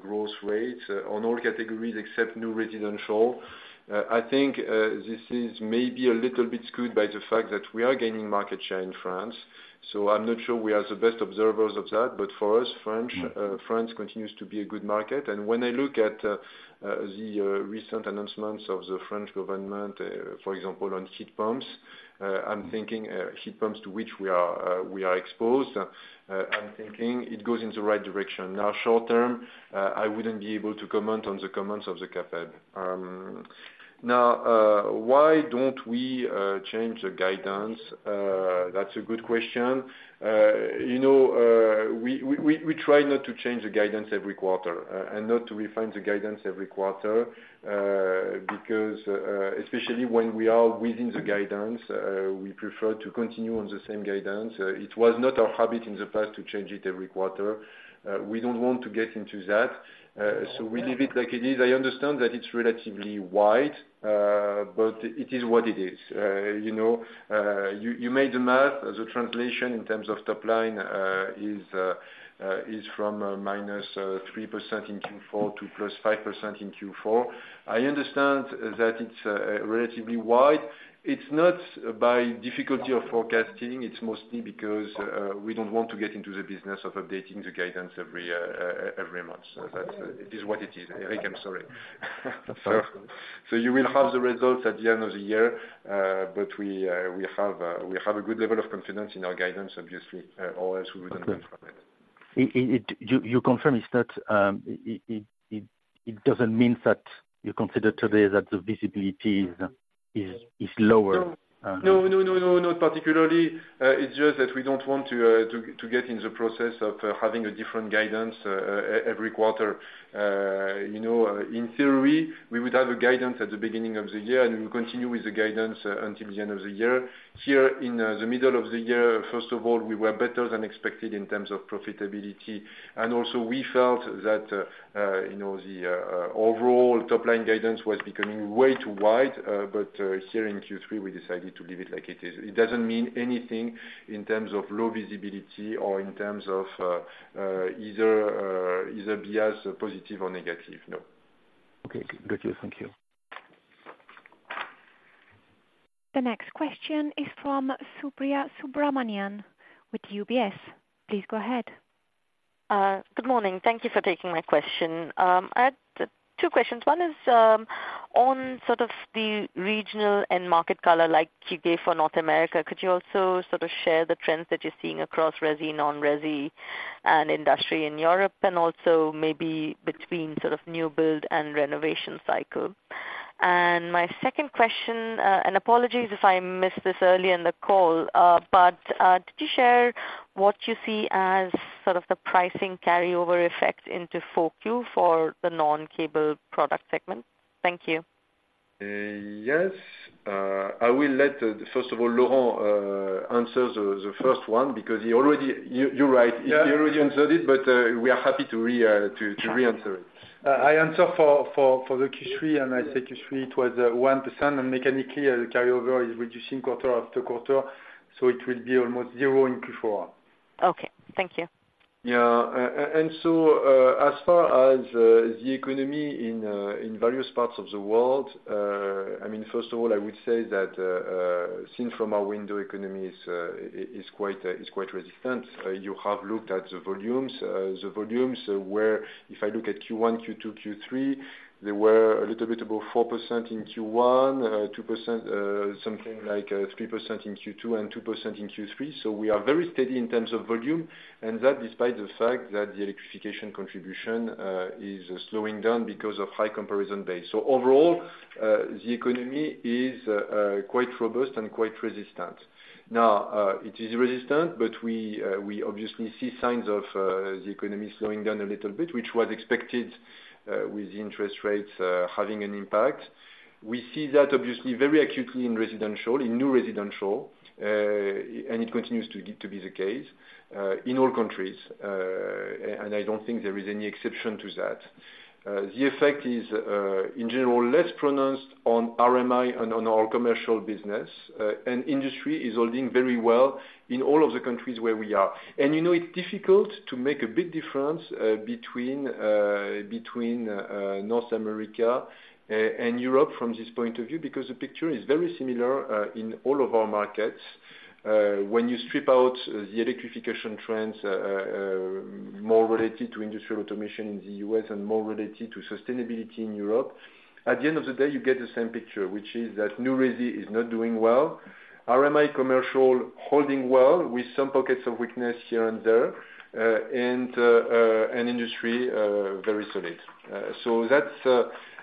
growth rate on all categories except new residential. I think this is maybe a little bit skewed by the fact that we are gaining market share in France, so I'm not sure we are the best observers of that, but for us, French- Mm. France continues to be a good market. When I look at the recent announcements of the French government, for example, on heat pumps, I'm thinking heat pumps to which we are exposed. I'm thinking it goes in the right direction. Now, short term, I wouldn't be able to comment on the comments of the CAPEB. Now, why don't we change the guidance? That's a good question. You know, we try not to change the guidance every quarter and not to refine the guidance every quarter because, especially when we are within the guidance, we prefer to continue on the same guidance. It was not our habit in the past to change it every quarter. We don't want to get into that, so we leave it like it is. I understand that it's relatively wide, but it is what it is. You know, you made the math, the translation in terms of top line is from -3% in Q4 to +5% in Q4. I understand that it's relatively wide. It's not by difficulty of forecasting, it's mostly because we don't want to get into the business of updating the guidance every month. That's, it is what it is. Eric, I'm sorry. You will have the results at the end of the year, but we have a good level of confidence in our guidance, obviously, or else we wouldn't confirm it. You confirm it's not, it doesn't mean that you consider today that the visibility is lower? No, no, no, no, not particularly. It's just that we don't want to get in the process of having a different guidance every quarter. You know, in theory, we would have a guidance at the beginning of the year, and we continue with the guidance until the end of the year. Here, in the middle of the year, first of all, we were better than expected in terms of profitability. Also we felt that, you know, the overall top line guidance was becoming way too wide. Here in Q3, we decided to leave it like it is. It doesn't mean anything in terms of low visibility or in terms of either bias, positive or negative. No. Okay, got you. Thank you. The next question is from Supriya Subramanian with UBS. Please go ahead. Good morning. Thank you for taking my question. I had two questions. One is on sort of the regional end market color, like you gave for North America. Could you also sort of share the trends that you're seeing across resi, non-resi, and industry in Europe, and also maybe between sort of new build and renovation cycle? My second question, and apologies if I missed this earlier in the call, did you share what you see as sort of the pricing carryover effect into 4Q for the non-cable product segment? Thank you. Yes. I will let, first of all, Laurent answer the first one because he already. You're right. Yeah. He already answered it, but we are happy to re-answer it. I answer for the Q3, and I say Q3, it was 1%. Mechanically, the carryover is reducing quarter after quarter, so it will be almost 0 in Q4. Okay, thank you. Yeah. As far as the economy in various parts of the world, I mean, first of all, I would say that seen from our window, economy is quite resistant. You have looked at the volumes. The volumes where if I look at Q1, Q2, Q3, they were a little bit above 4% in Q1, 2%, something like 3% in Q2, and 2% in Q3. So we are very steady in terms of volume, and that despite the fact that the electrification contribution is slowing down because of high comparison base. So overall, the economy is quite robust and quite resistant. Now, it is resistant, but we obviously see signs of the economy slowing down a little bit, which was expected with interest rates having an impact. We see that obviously, very acutely in residential, in new residential, and it continues to be the case in all countries. I don't think there is any exception to that. The effect is, in general, less pronounced on RMI and on our commercial business. Industry is holding very well in all of the countries where we are. You know, it's difficult to make a big difference between North America and Europe from this point of view, because the picture is very similar in all of our markets. When you strip out the electrification trends, more related to industrial automation in the U.S. and more related to sustainability in Europe, at the end of the day, you get the same picture, which is that new resi is not doing well. RMI, commercial holding well, with some pockets of weakness here and there, and industry very solid.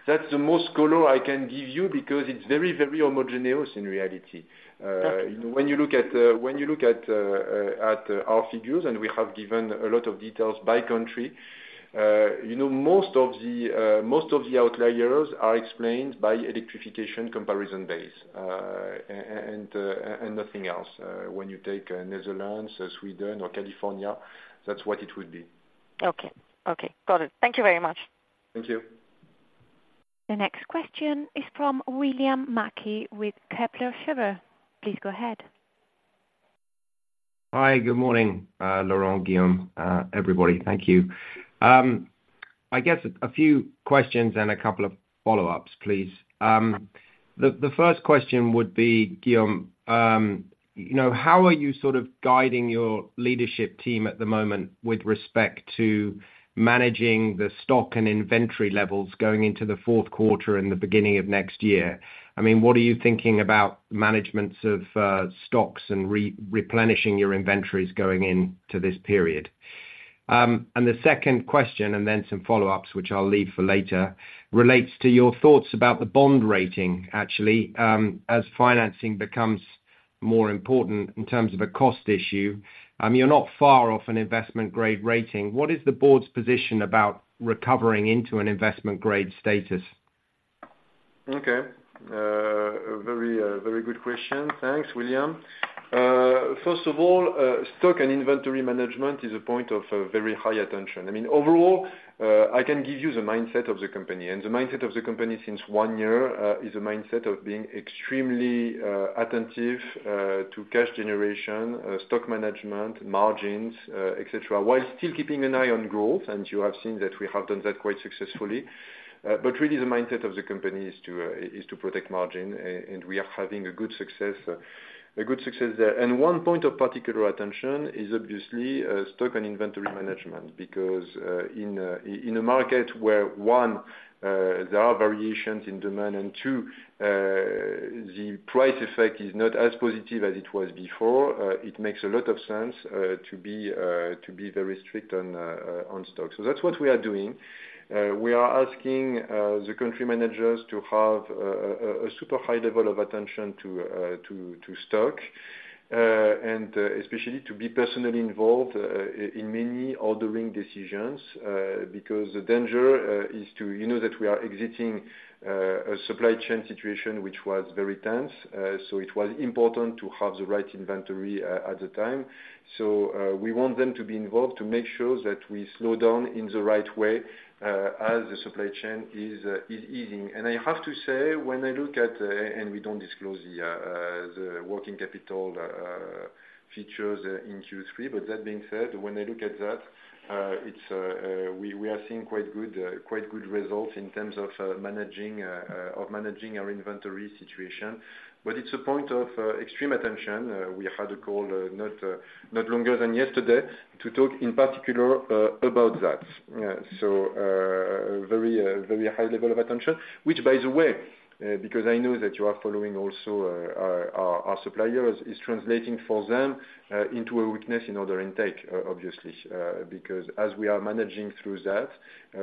That's the most color I can give you because it's very, very homogeneous in reality. Perfect. When you look at our figures, and we have given a lot of details by country, you know, most of the outliers are explained by electrification comparison base and nothing else. When you take Netherlands, Sweden or California, that's what it would be. Okay. Okay. Got it. Thank you very much. Thank you. The next question is from William Mackie with Kepler Cheuvreux. Please go ahead. Hi, good morning, Laurent, Guillaume, everybody. Thank you. I guess a few questions and a couple of follow-ups, please. The first question would be, Guillaume, you know, how are you sort of guiding your leadership team at the moment with respect to managing the stock and inventory levels going into the fourth quarter and the beginning of next year? I mean, what are you thinking about managements of stocks and replenishing your inventories going into this period? The second question, and then some follow-ups, which I'll leave for later, relates to your thoughts about the bond rating, actually. As financing becomes more important in terms of a cost issue, you're not far off an investment-grade rating. What is the board's position about recovering into an investment-grade status? Okay. A very, very good question. Thanks, William. First of all, stock and inventory management is a point of very high attention. I mean, overall, I can give you the mindset of the company. The mindset of the company since one year is a mindset of being extremely attentive to cash generation, stock management, margins, et cetera, while still keeping an eye on growth, and you have seen that we have done that quite successfully. Really, the mindset of the company is to protect margin, and we are having a good success, a good success there. One point of particular attention is obviously stock and inventory management. Because in a market where one, there are variations in demand, and two, the price effect is not as positive as it was before, it makes a lot of sense to be very strict on stock. That's what we are doing. We are asking the country managers to have a super high level of attention to stock and especially to be personally involved in many ordering decisions. Because the danger is, you know, that we are exiting a supply chain situation, which was very tense, so it was important to have the right inventory at the time. We want them to be involved to make sure that we slow down in the right way as the supply chain is easing. I have to say, when I look at, and we don't disclose the working capital features in Q3. That being said, when I look at that, we are seeing quite good results in terms of managing our inventory situation. But it's a point of extreme attention. We had a call not longer than yesterday to talk in particular about that. Very high level of attention, which, by the way, because I know that you are following also our suppliers, is translating for them into a weakness in order intake, obviously. Because as we are managing through that,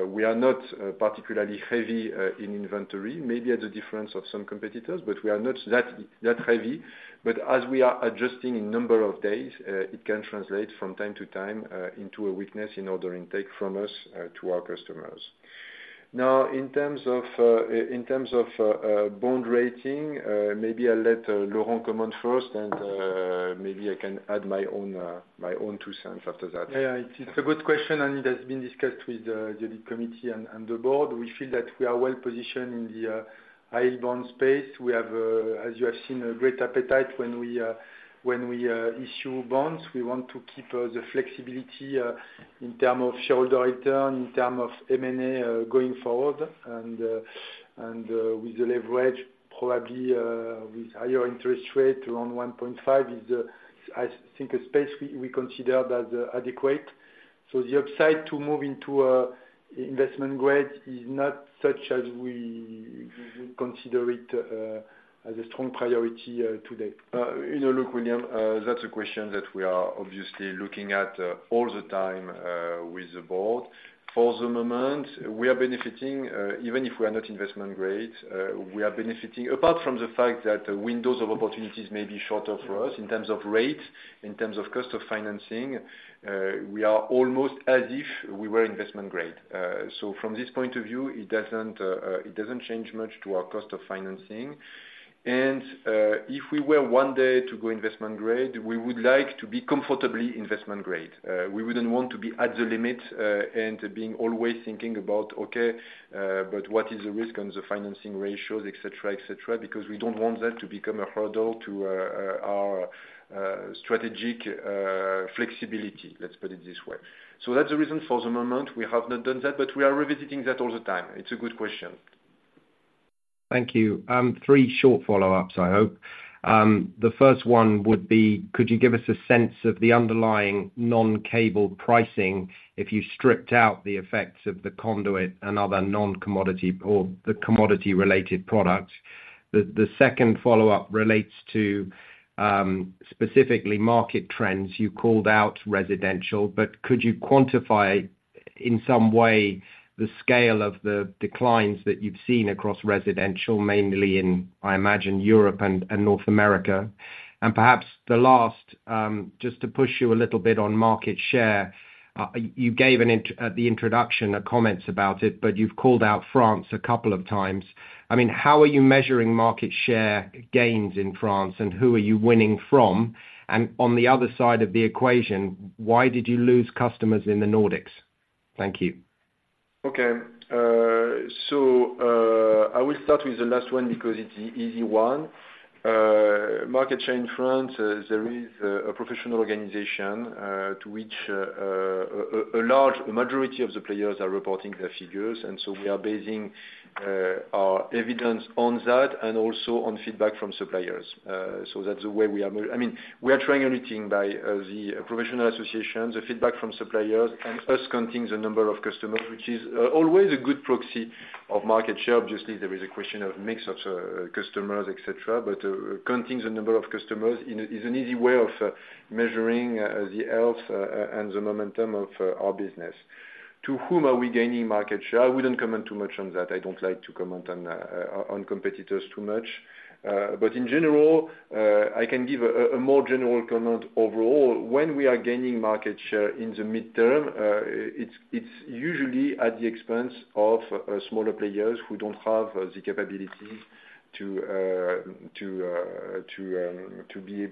we are not particularly heavy in inventory, maybe at the difference of some competitors, but we are not that heavy. But as we are adjusting in number of days, it can translate from time to time into a weakness in order intake from us to our customers. Now, in terms of bond rating, maybe I'll let Laurent come on first, and maybe I can add my own two cents after that. Yeah, it's a good question, and it has been discussed with the committee and the board. We feel that we are well positioned in the high bond space. We have, as you have seen, a great appetite when we issue bonds. We want to keep the flexibility in term of shareholder return, in term of M&A going forward. With the leverage, probably with higher interest rate around 1.5x is, I think, a space we consider as adequate. The upside to moving to investment grade is not such as we consider it as a strong priority today. You know, look, William, that's a question that we are obviously looking at all the time with the board. For the moment, we are benefiting, even if we are not investment grade, we are benefiting. Apart from the fact that the windows of opportunities may be shorter for us in terms of rate, in terms of cost of financing, we are almost as if we were investment grade. From this point of view, it doesn't change much to our cost of financing. If we were one day to go investment grade, we would like to be comfortably investment grade. We wouldn't want to be at the limit and being always thinking about, okay, but what is the risk on the financing ratios, et cetera, et cetera, because we don't want that to become a hurdle to our strategic flexibility, let's put it this way. That's the reason for the moment we have not done that, but we are revisiting that all the time. It's a good question. Thank you. Three short follow-ups, I hope. The first one would be, could you give us a sense of the underlying non-cable pricing if you stripped out the effects of the conduit and other non-commodity or the commodity-related products? The second follow-up relates to specifically market trends. You called out residential, but could you quantify in some way the scale of the declines that you've seen across residential, mainly in, I imagine, Europe and North America? Perhaps the last, just to push you a little bit on market share. You gave at the introduction comments about it, but you've called out France a couple of times. I mean, how are you measuring market share gains in France, and who are you winning from? On the other side of the equation, why did you lose customers in the Nordics? Thank you. Okay. I will start with the last one because it's the easy one. Market share in France, there is a professional organization to which a majority of the players are reporting their figures. We are basing our evidence on that and also on feedback from suppliers. That's the way we are, I mean, we are triangulating by the professional associations, the feedback from suppliers, and us counting the number of customers, which is always a good proxy of market share. Obviously, there is a question of mix of customers, et cetera, but counting the number of customers is an easy way of measuring the health and the momentum of our business. To whom are we gaining market share? I wouldn't comment too much on that. I don't like to comment on competitors too much. But in general, I can give a more general comment overall. When we are gaining market share in the midterm, it's usually at the expense of smaller players who don't have the capabilities to be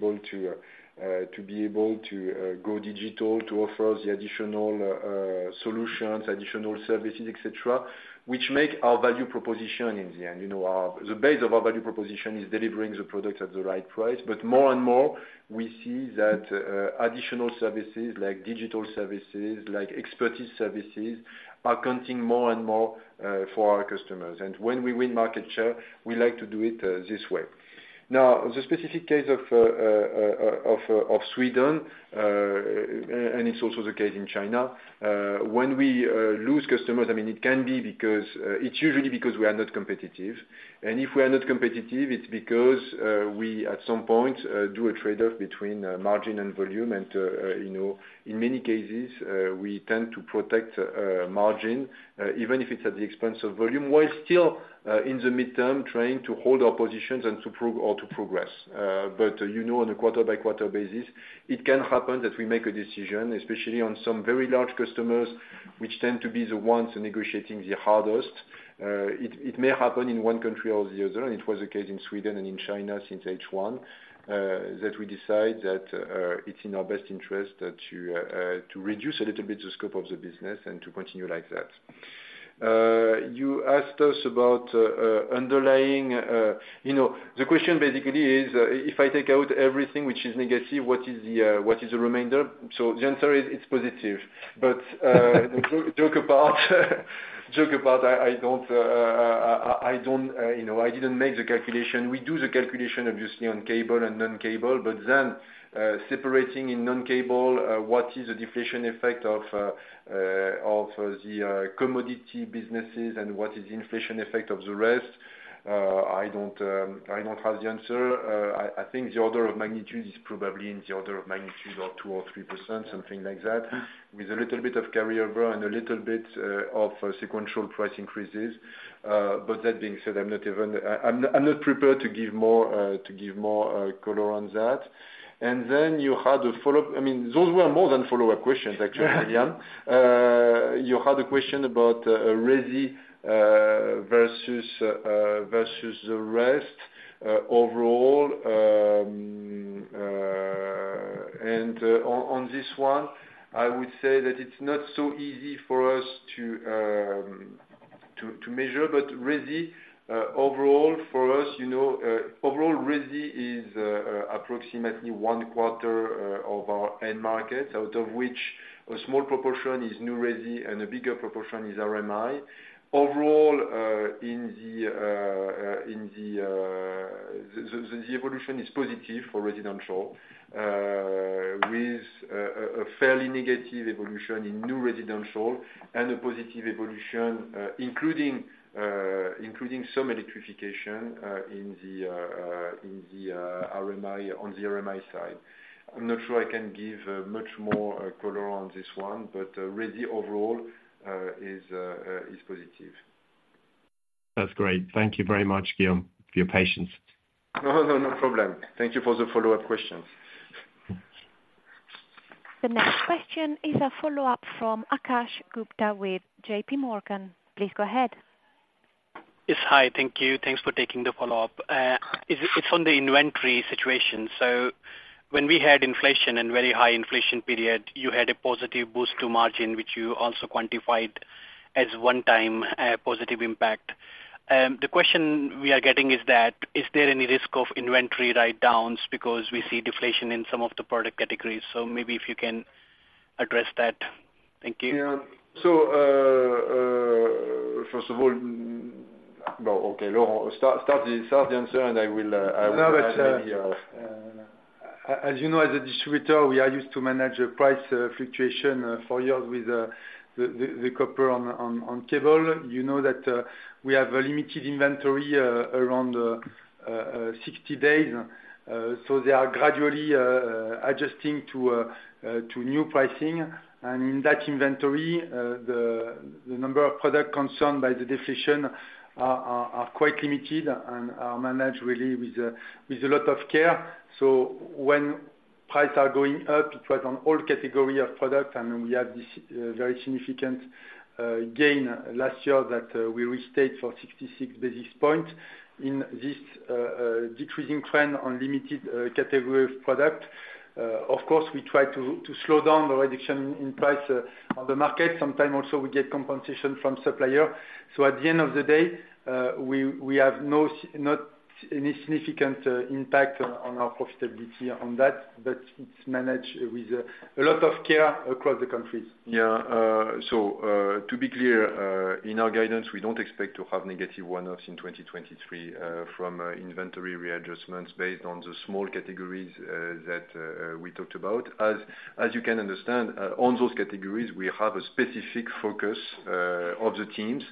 able to go digital, to offer the additional solutions, additional services, et cetera, which make our value proposition in the end. You know, the base of our value proposition is delivering the product at the right price, but more and more we see that additional services, like digital services, like expertise services, are counting more and more for our customers. When we win market share, we like to do it this way. Now, the specific case of Sweden, and it's also the case in China, when we lose customers, I mean, it's usually because we are not competitive. If we are not competitive, it's because we, at some point, do a trade-off between margin and volume. You know, in many cases, we tend to protect margin, even if it's at the expense of volume, while still, in the midterm, trying to hold our positions and to progress. But, you know, on a quarter-by-quarter basis, it can happen that we make a decision, especially on some very large customers, which tend to be the ones negotiating the hardest. It may happen in one country or the other, and it was the case in Sweden and in China since H1 that we decide that it's in our best interest to reduce a little bit the scope of the business and to continue like that. You asked us about underlying. You know, the question basically is if I take out everything which is negative, what is the remainder? The answer is, it's positive. Joke apart, joke apart, I don't, you know, I didn't make the calculation. We do the calculation, obviously, on cable and non-cable, but then separating in non-cable what is the deflation effect of the commodity businesses and what is the inflation effect of the rest. I don't have the answer. I think the order of magnitude is probably in the order of magnitude of 2%-3%, something like that, with a little bit of carryover and a little bit of sequential price increases. That being said, I'm not even prepared to give more color on that. You had a follow-up. I mean, those were more than follow-up questions, actually, William. You had a question about resi versus the rest overall. On this one, I would say that it's not so easy for us to measure, but resi overall, for us, you know, overall resi is approximately one quarter of our end market, out of which a small proportion is new resi, and a bigger proportion is RMI. Overall, the evolution is positive for residential, with a fairly negative evolution in new residential and a positive evolution, including some electrification, on the RMI side. I'm not sure I can give much more color on this one, but resi overall is positive. That's great. Thank you very much, Guillaume, for your patience. No, no, no problem. Thank you for the follow-up questions. The next question is a follow-up from Akash Gupta with JPMorgan. Please go ahead. Yes. Hi, thank you. Thanks for taking the follow-up. It's on the inventory situation. When we had inflation and very high inflation period, you had a positive boost to margin, which you also quantified as one-time positive impact. The question we are getting is, is there any risk of inventory write-downs because we see deflation in some of the product categories? Maybe if you can address that. Thank you. Yeah. First of all, well, okay, Laurent, start the answer, and I will. No, as you know, as a distributor, we are used to manage the price fluctuation for years with the copper on cable. You know that we have a limited inventory around 60 days. They are gradually adjusting to new pricing. In that inventory, the number of products concerned by the decision are quite limited and are managed really with a lot of care. When prices are going up, it was on all category of product, and we had this very significant gain last year that we restated for 66 basis points. In this decreasing trend on limited category of product, of course, we try to slow down the reduction in price on the market. Sometime also we get compensation from supplier. At the end of the day, we have not any significant impact on our profitability on that, but it's managed with a lot of care across the countries. Yeah. To be clear, in our guidance, we don't expect to have negative one-offs in 2023 from inventory readjustments based on the small categories that we talked about. As you can understand, on those categories, we have a specific focus of the teams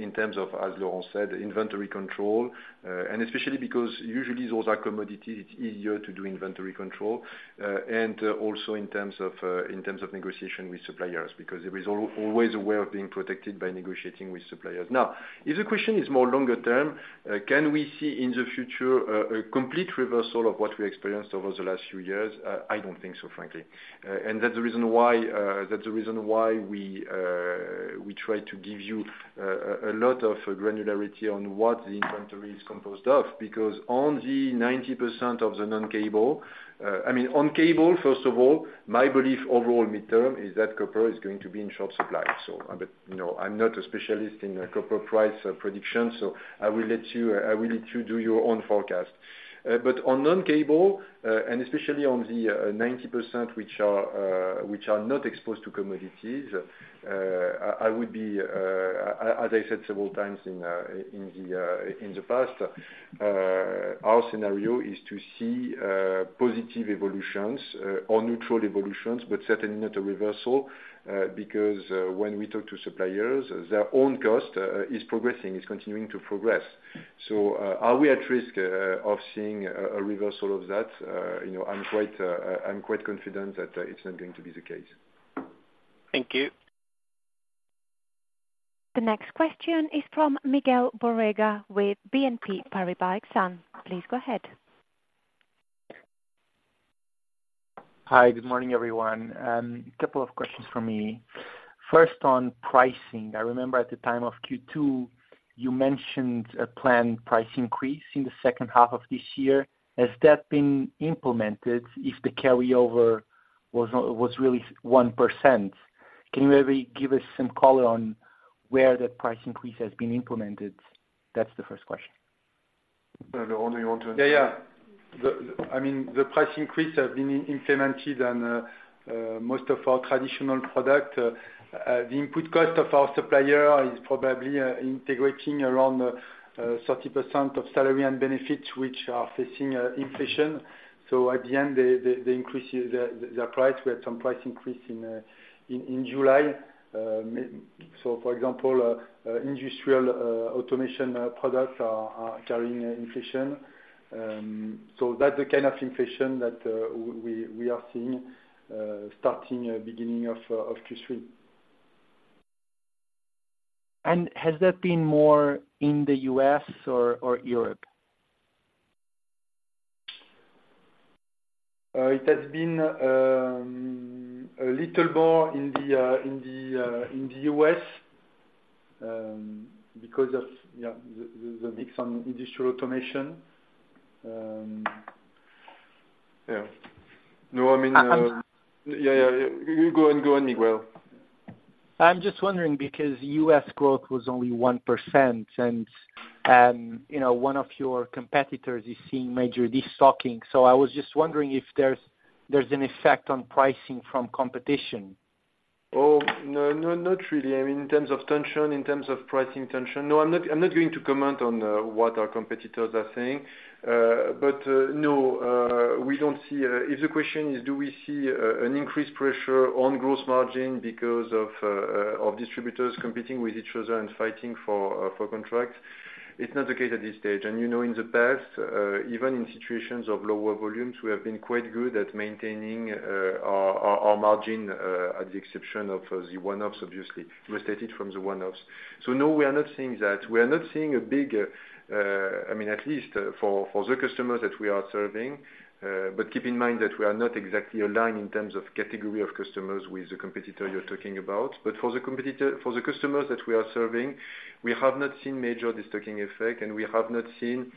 in terms of, as Laurent said, inventory control, and especially because usually those are commodity, it's easier to do inventory control, and also in terms of negotiation with suppliers. Because there is always a way of being protected by negotiating with suppliers. Now, if the question is more longer term, can we see in the future a complete reversal of what we experienced over the last few years? I don't think so, frankly. That's the reason why we try to give you a lot of granularity on what the inventory is composed of. Because on the 90% of the non-cable, I mean, on cable, first of all, my belief overall midterm is that copper is going to be in short supply. But, you know, I'm not a specialist in copper price prediction, so I will let you do your own forecast. But on non-cable and especially on the 90%, which are not exposed to commodities, as I said several times in the past, our scenario is to see positive evolutions or neutral evolutions, but certainly not a reversal. Because when we talk to suppliers, their own cost is progressing, is continuing to progress. Are we at risk of seeing a reversal of that? You know, I'm quite confident that it's not going to be the case. Thank you. The next question is from Miguel Borrega with BNP Paribas Exane. Please go ahead. Hi, good morning, everyone. A couple of questions from me. First, on pricing. I remember at the time of Q2, you mentioned a planned price increase in the second half of this year. Has that been implemented if the carryover was really 1%? Can you maybe give us some color on where that price increase has been implemented? That's the first question. Laurent, you want to? Yeah, yeah. I mean, the price increase has been implemented on most of our traditional product. The input cost of our supplier is probably integrating around 30% of salary and benefits, which are facing inflation. At the end, they increase their price. We had some price increase in July. For example, industrial automation products are carrying inflation. That's the kind of inflation that we are seeing starting at beginning of Q3. Has that been more in the U.S. or Europe? It has been a little more in the U.S. because of, yeah, the mix on industrial automation. Yeah. No, I mean. Uh- Yeah, yeah. You go ahead, Miguel. on pricing from competition." * Wait, "there's, there's". * "if there's, there's an effect" * This is a stutter. Remove one "there's". * Final text: * I'm just wondering, because U.S. growth was only 1%, and Oh, no, no, not really. I mean, in terms of tension, in terms of pricing tension, no, I'm not going to comment on what our competitors are saying. No, we don't see... If the question is, do we see an increased pressure on gross margin because of distributors competing with each other and fighting for contracts? It's not the case at this stage. You know, in the past, even in situations of lower volumes, we have been quite good at maintaining our margin at the exception of the one-offs, obviously, restated from the one-offs. No, we are not seeing that. We are not seeing a big, I mean, at least for the customers that we are serving. Keep in mind that we are not exactly aligned in terms of category of customers with the competitor you're talking about. For the customers that we are serving, we have not seen major destocking effect, and we have not seen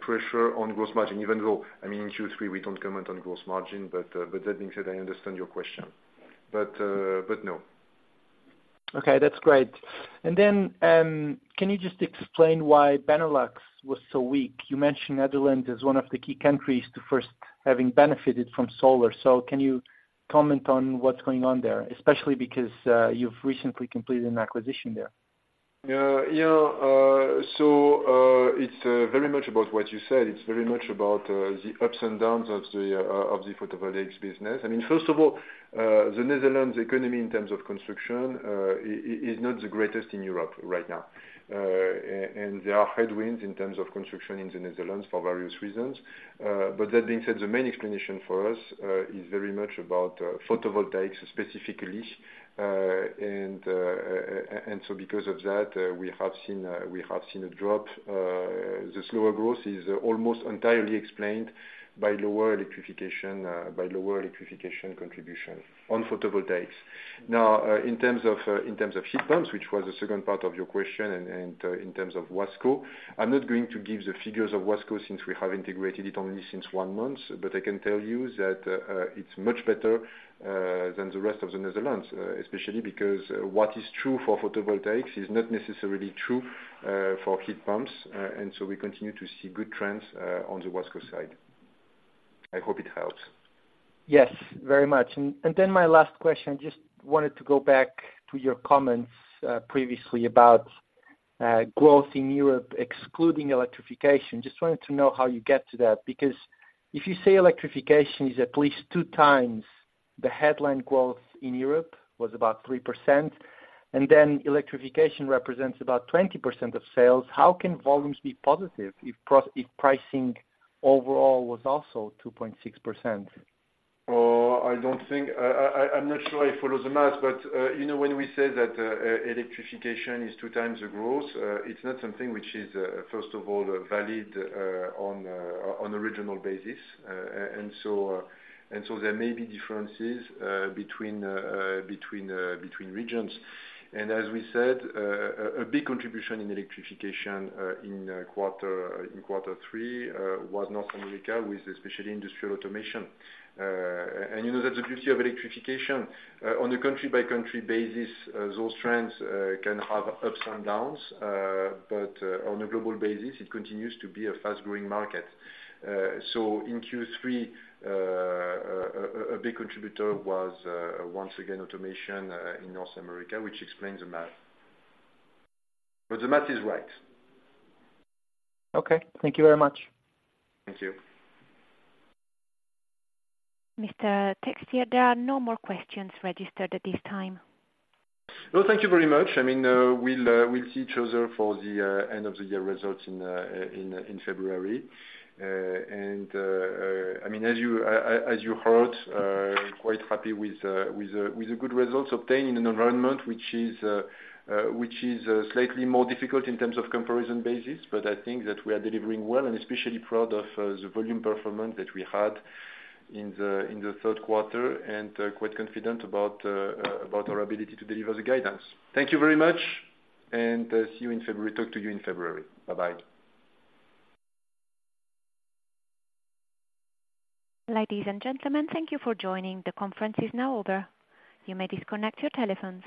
pressure on gross margin, even though, I mean, in Q3, we don't comment on gross margin. That being said, I understand your question. No. Okay, that's great. Can you just explain why Benelux was so weak? You mentioned Netherlands as one of the key countries to first having benefited from solar. Can you comment on what's going on there, especially because you've recently completed an acquisition there? Yeah, it's very much about what you said. It's very much about the ups and downs of the photovoltaics business. I mean, first of all, the Netherlands economy in terms of construction is not the greatest in Europe right now. There are headwinds in terms of construction in the Netherlands for various reasons. But that being said, the main explanation for us is very much about photovoltaics specifically. Because of that, we have seen a drop. This lower growth is almost entirely explained by lower electrification, by lower electrification contribution on photovoltaics. Now, in terms of heat pumps, which was the second part of your question, and in terms of Wasco, I'm not going to give the figures of Wasco since we have integrated it only since one month, but I can tell you that it's much better than the rest of the Netherlands, especially because what is true for photovoltaics is not necessarily true for heat pumps. We continue to see good trends on the Wasco side. I hope it helps. Yes, very much. My last question, just wanted to go back to your comments previously about growth in Europe, excluding electrification. Just wanted to know how you get to that, because if you say electrification is at least 2x the headline growth in Europe, was about 3%, and then electrification represents about 20% of sales, how can volumes be positive if pricing overall was also 2.6%? Oh, I'm not sure I follow the math, but you know, when we say that electrification is 2x the growth, it's not something which is, first of all, valid on a regional basis. There may be differences between regions. As we said, a big contribution in electrification in quarter three was North America, with especially industrial automation. You know, that's the beauty of electrification. On a country-by-country basis, those trends can have ups and downs, but on a global basis, it continues to be a fast-growing market. In Q3, a big contributor was, once again, automation in North America, which explains the math. But the math is right. Okay. Thank you very much. Thank you. Mr. Texier, there are no more questions registered at this time. Well, thank you very much. I mean, we'll see each other for the end of the year results in February. I mean, as you heard, quite happy with the good results obtained in an environment which is slightly more difficult in terms of comparison basis. I think that we are delivering well and especially proud of the volume performance that we had in the third quarter, and quite confident about our ability to deliver the guidance. Thank you very much, and see you in February. Talk to you in February. Bye-bye. Ladies and gentlemen, thank you for joining. The conference is now over. You may disconnect your telephones.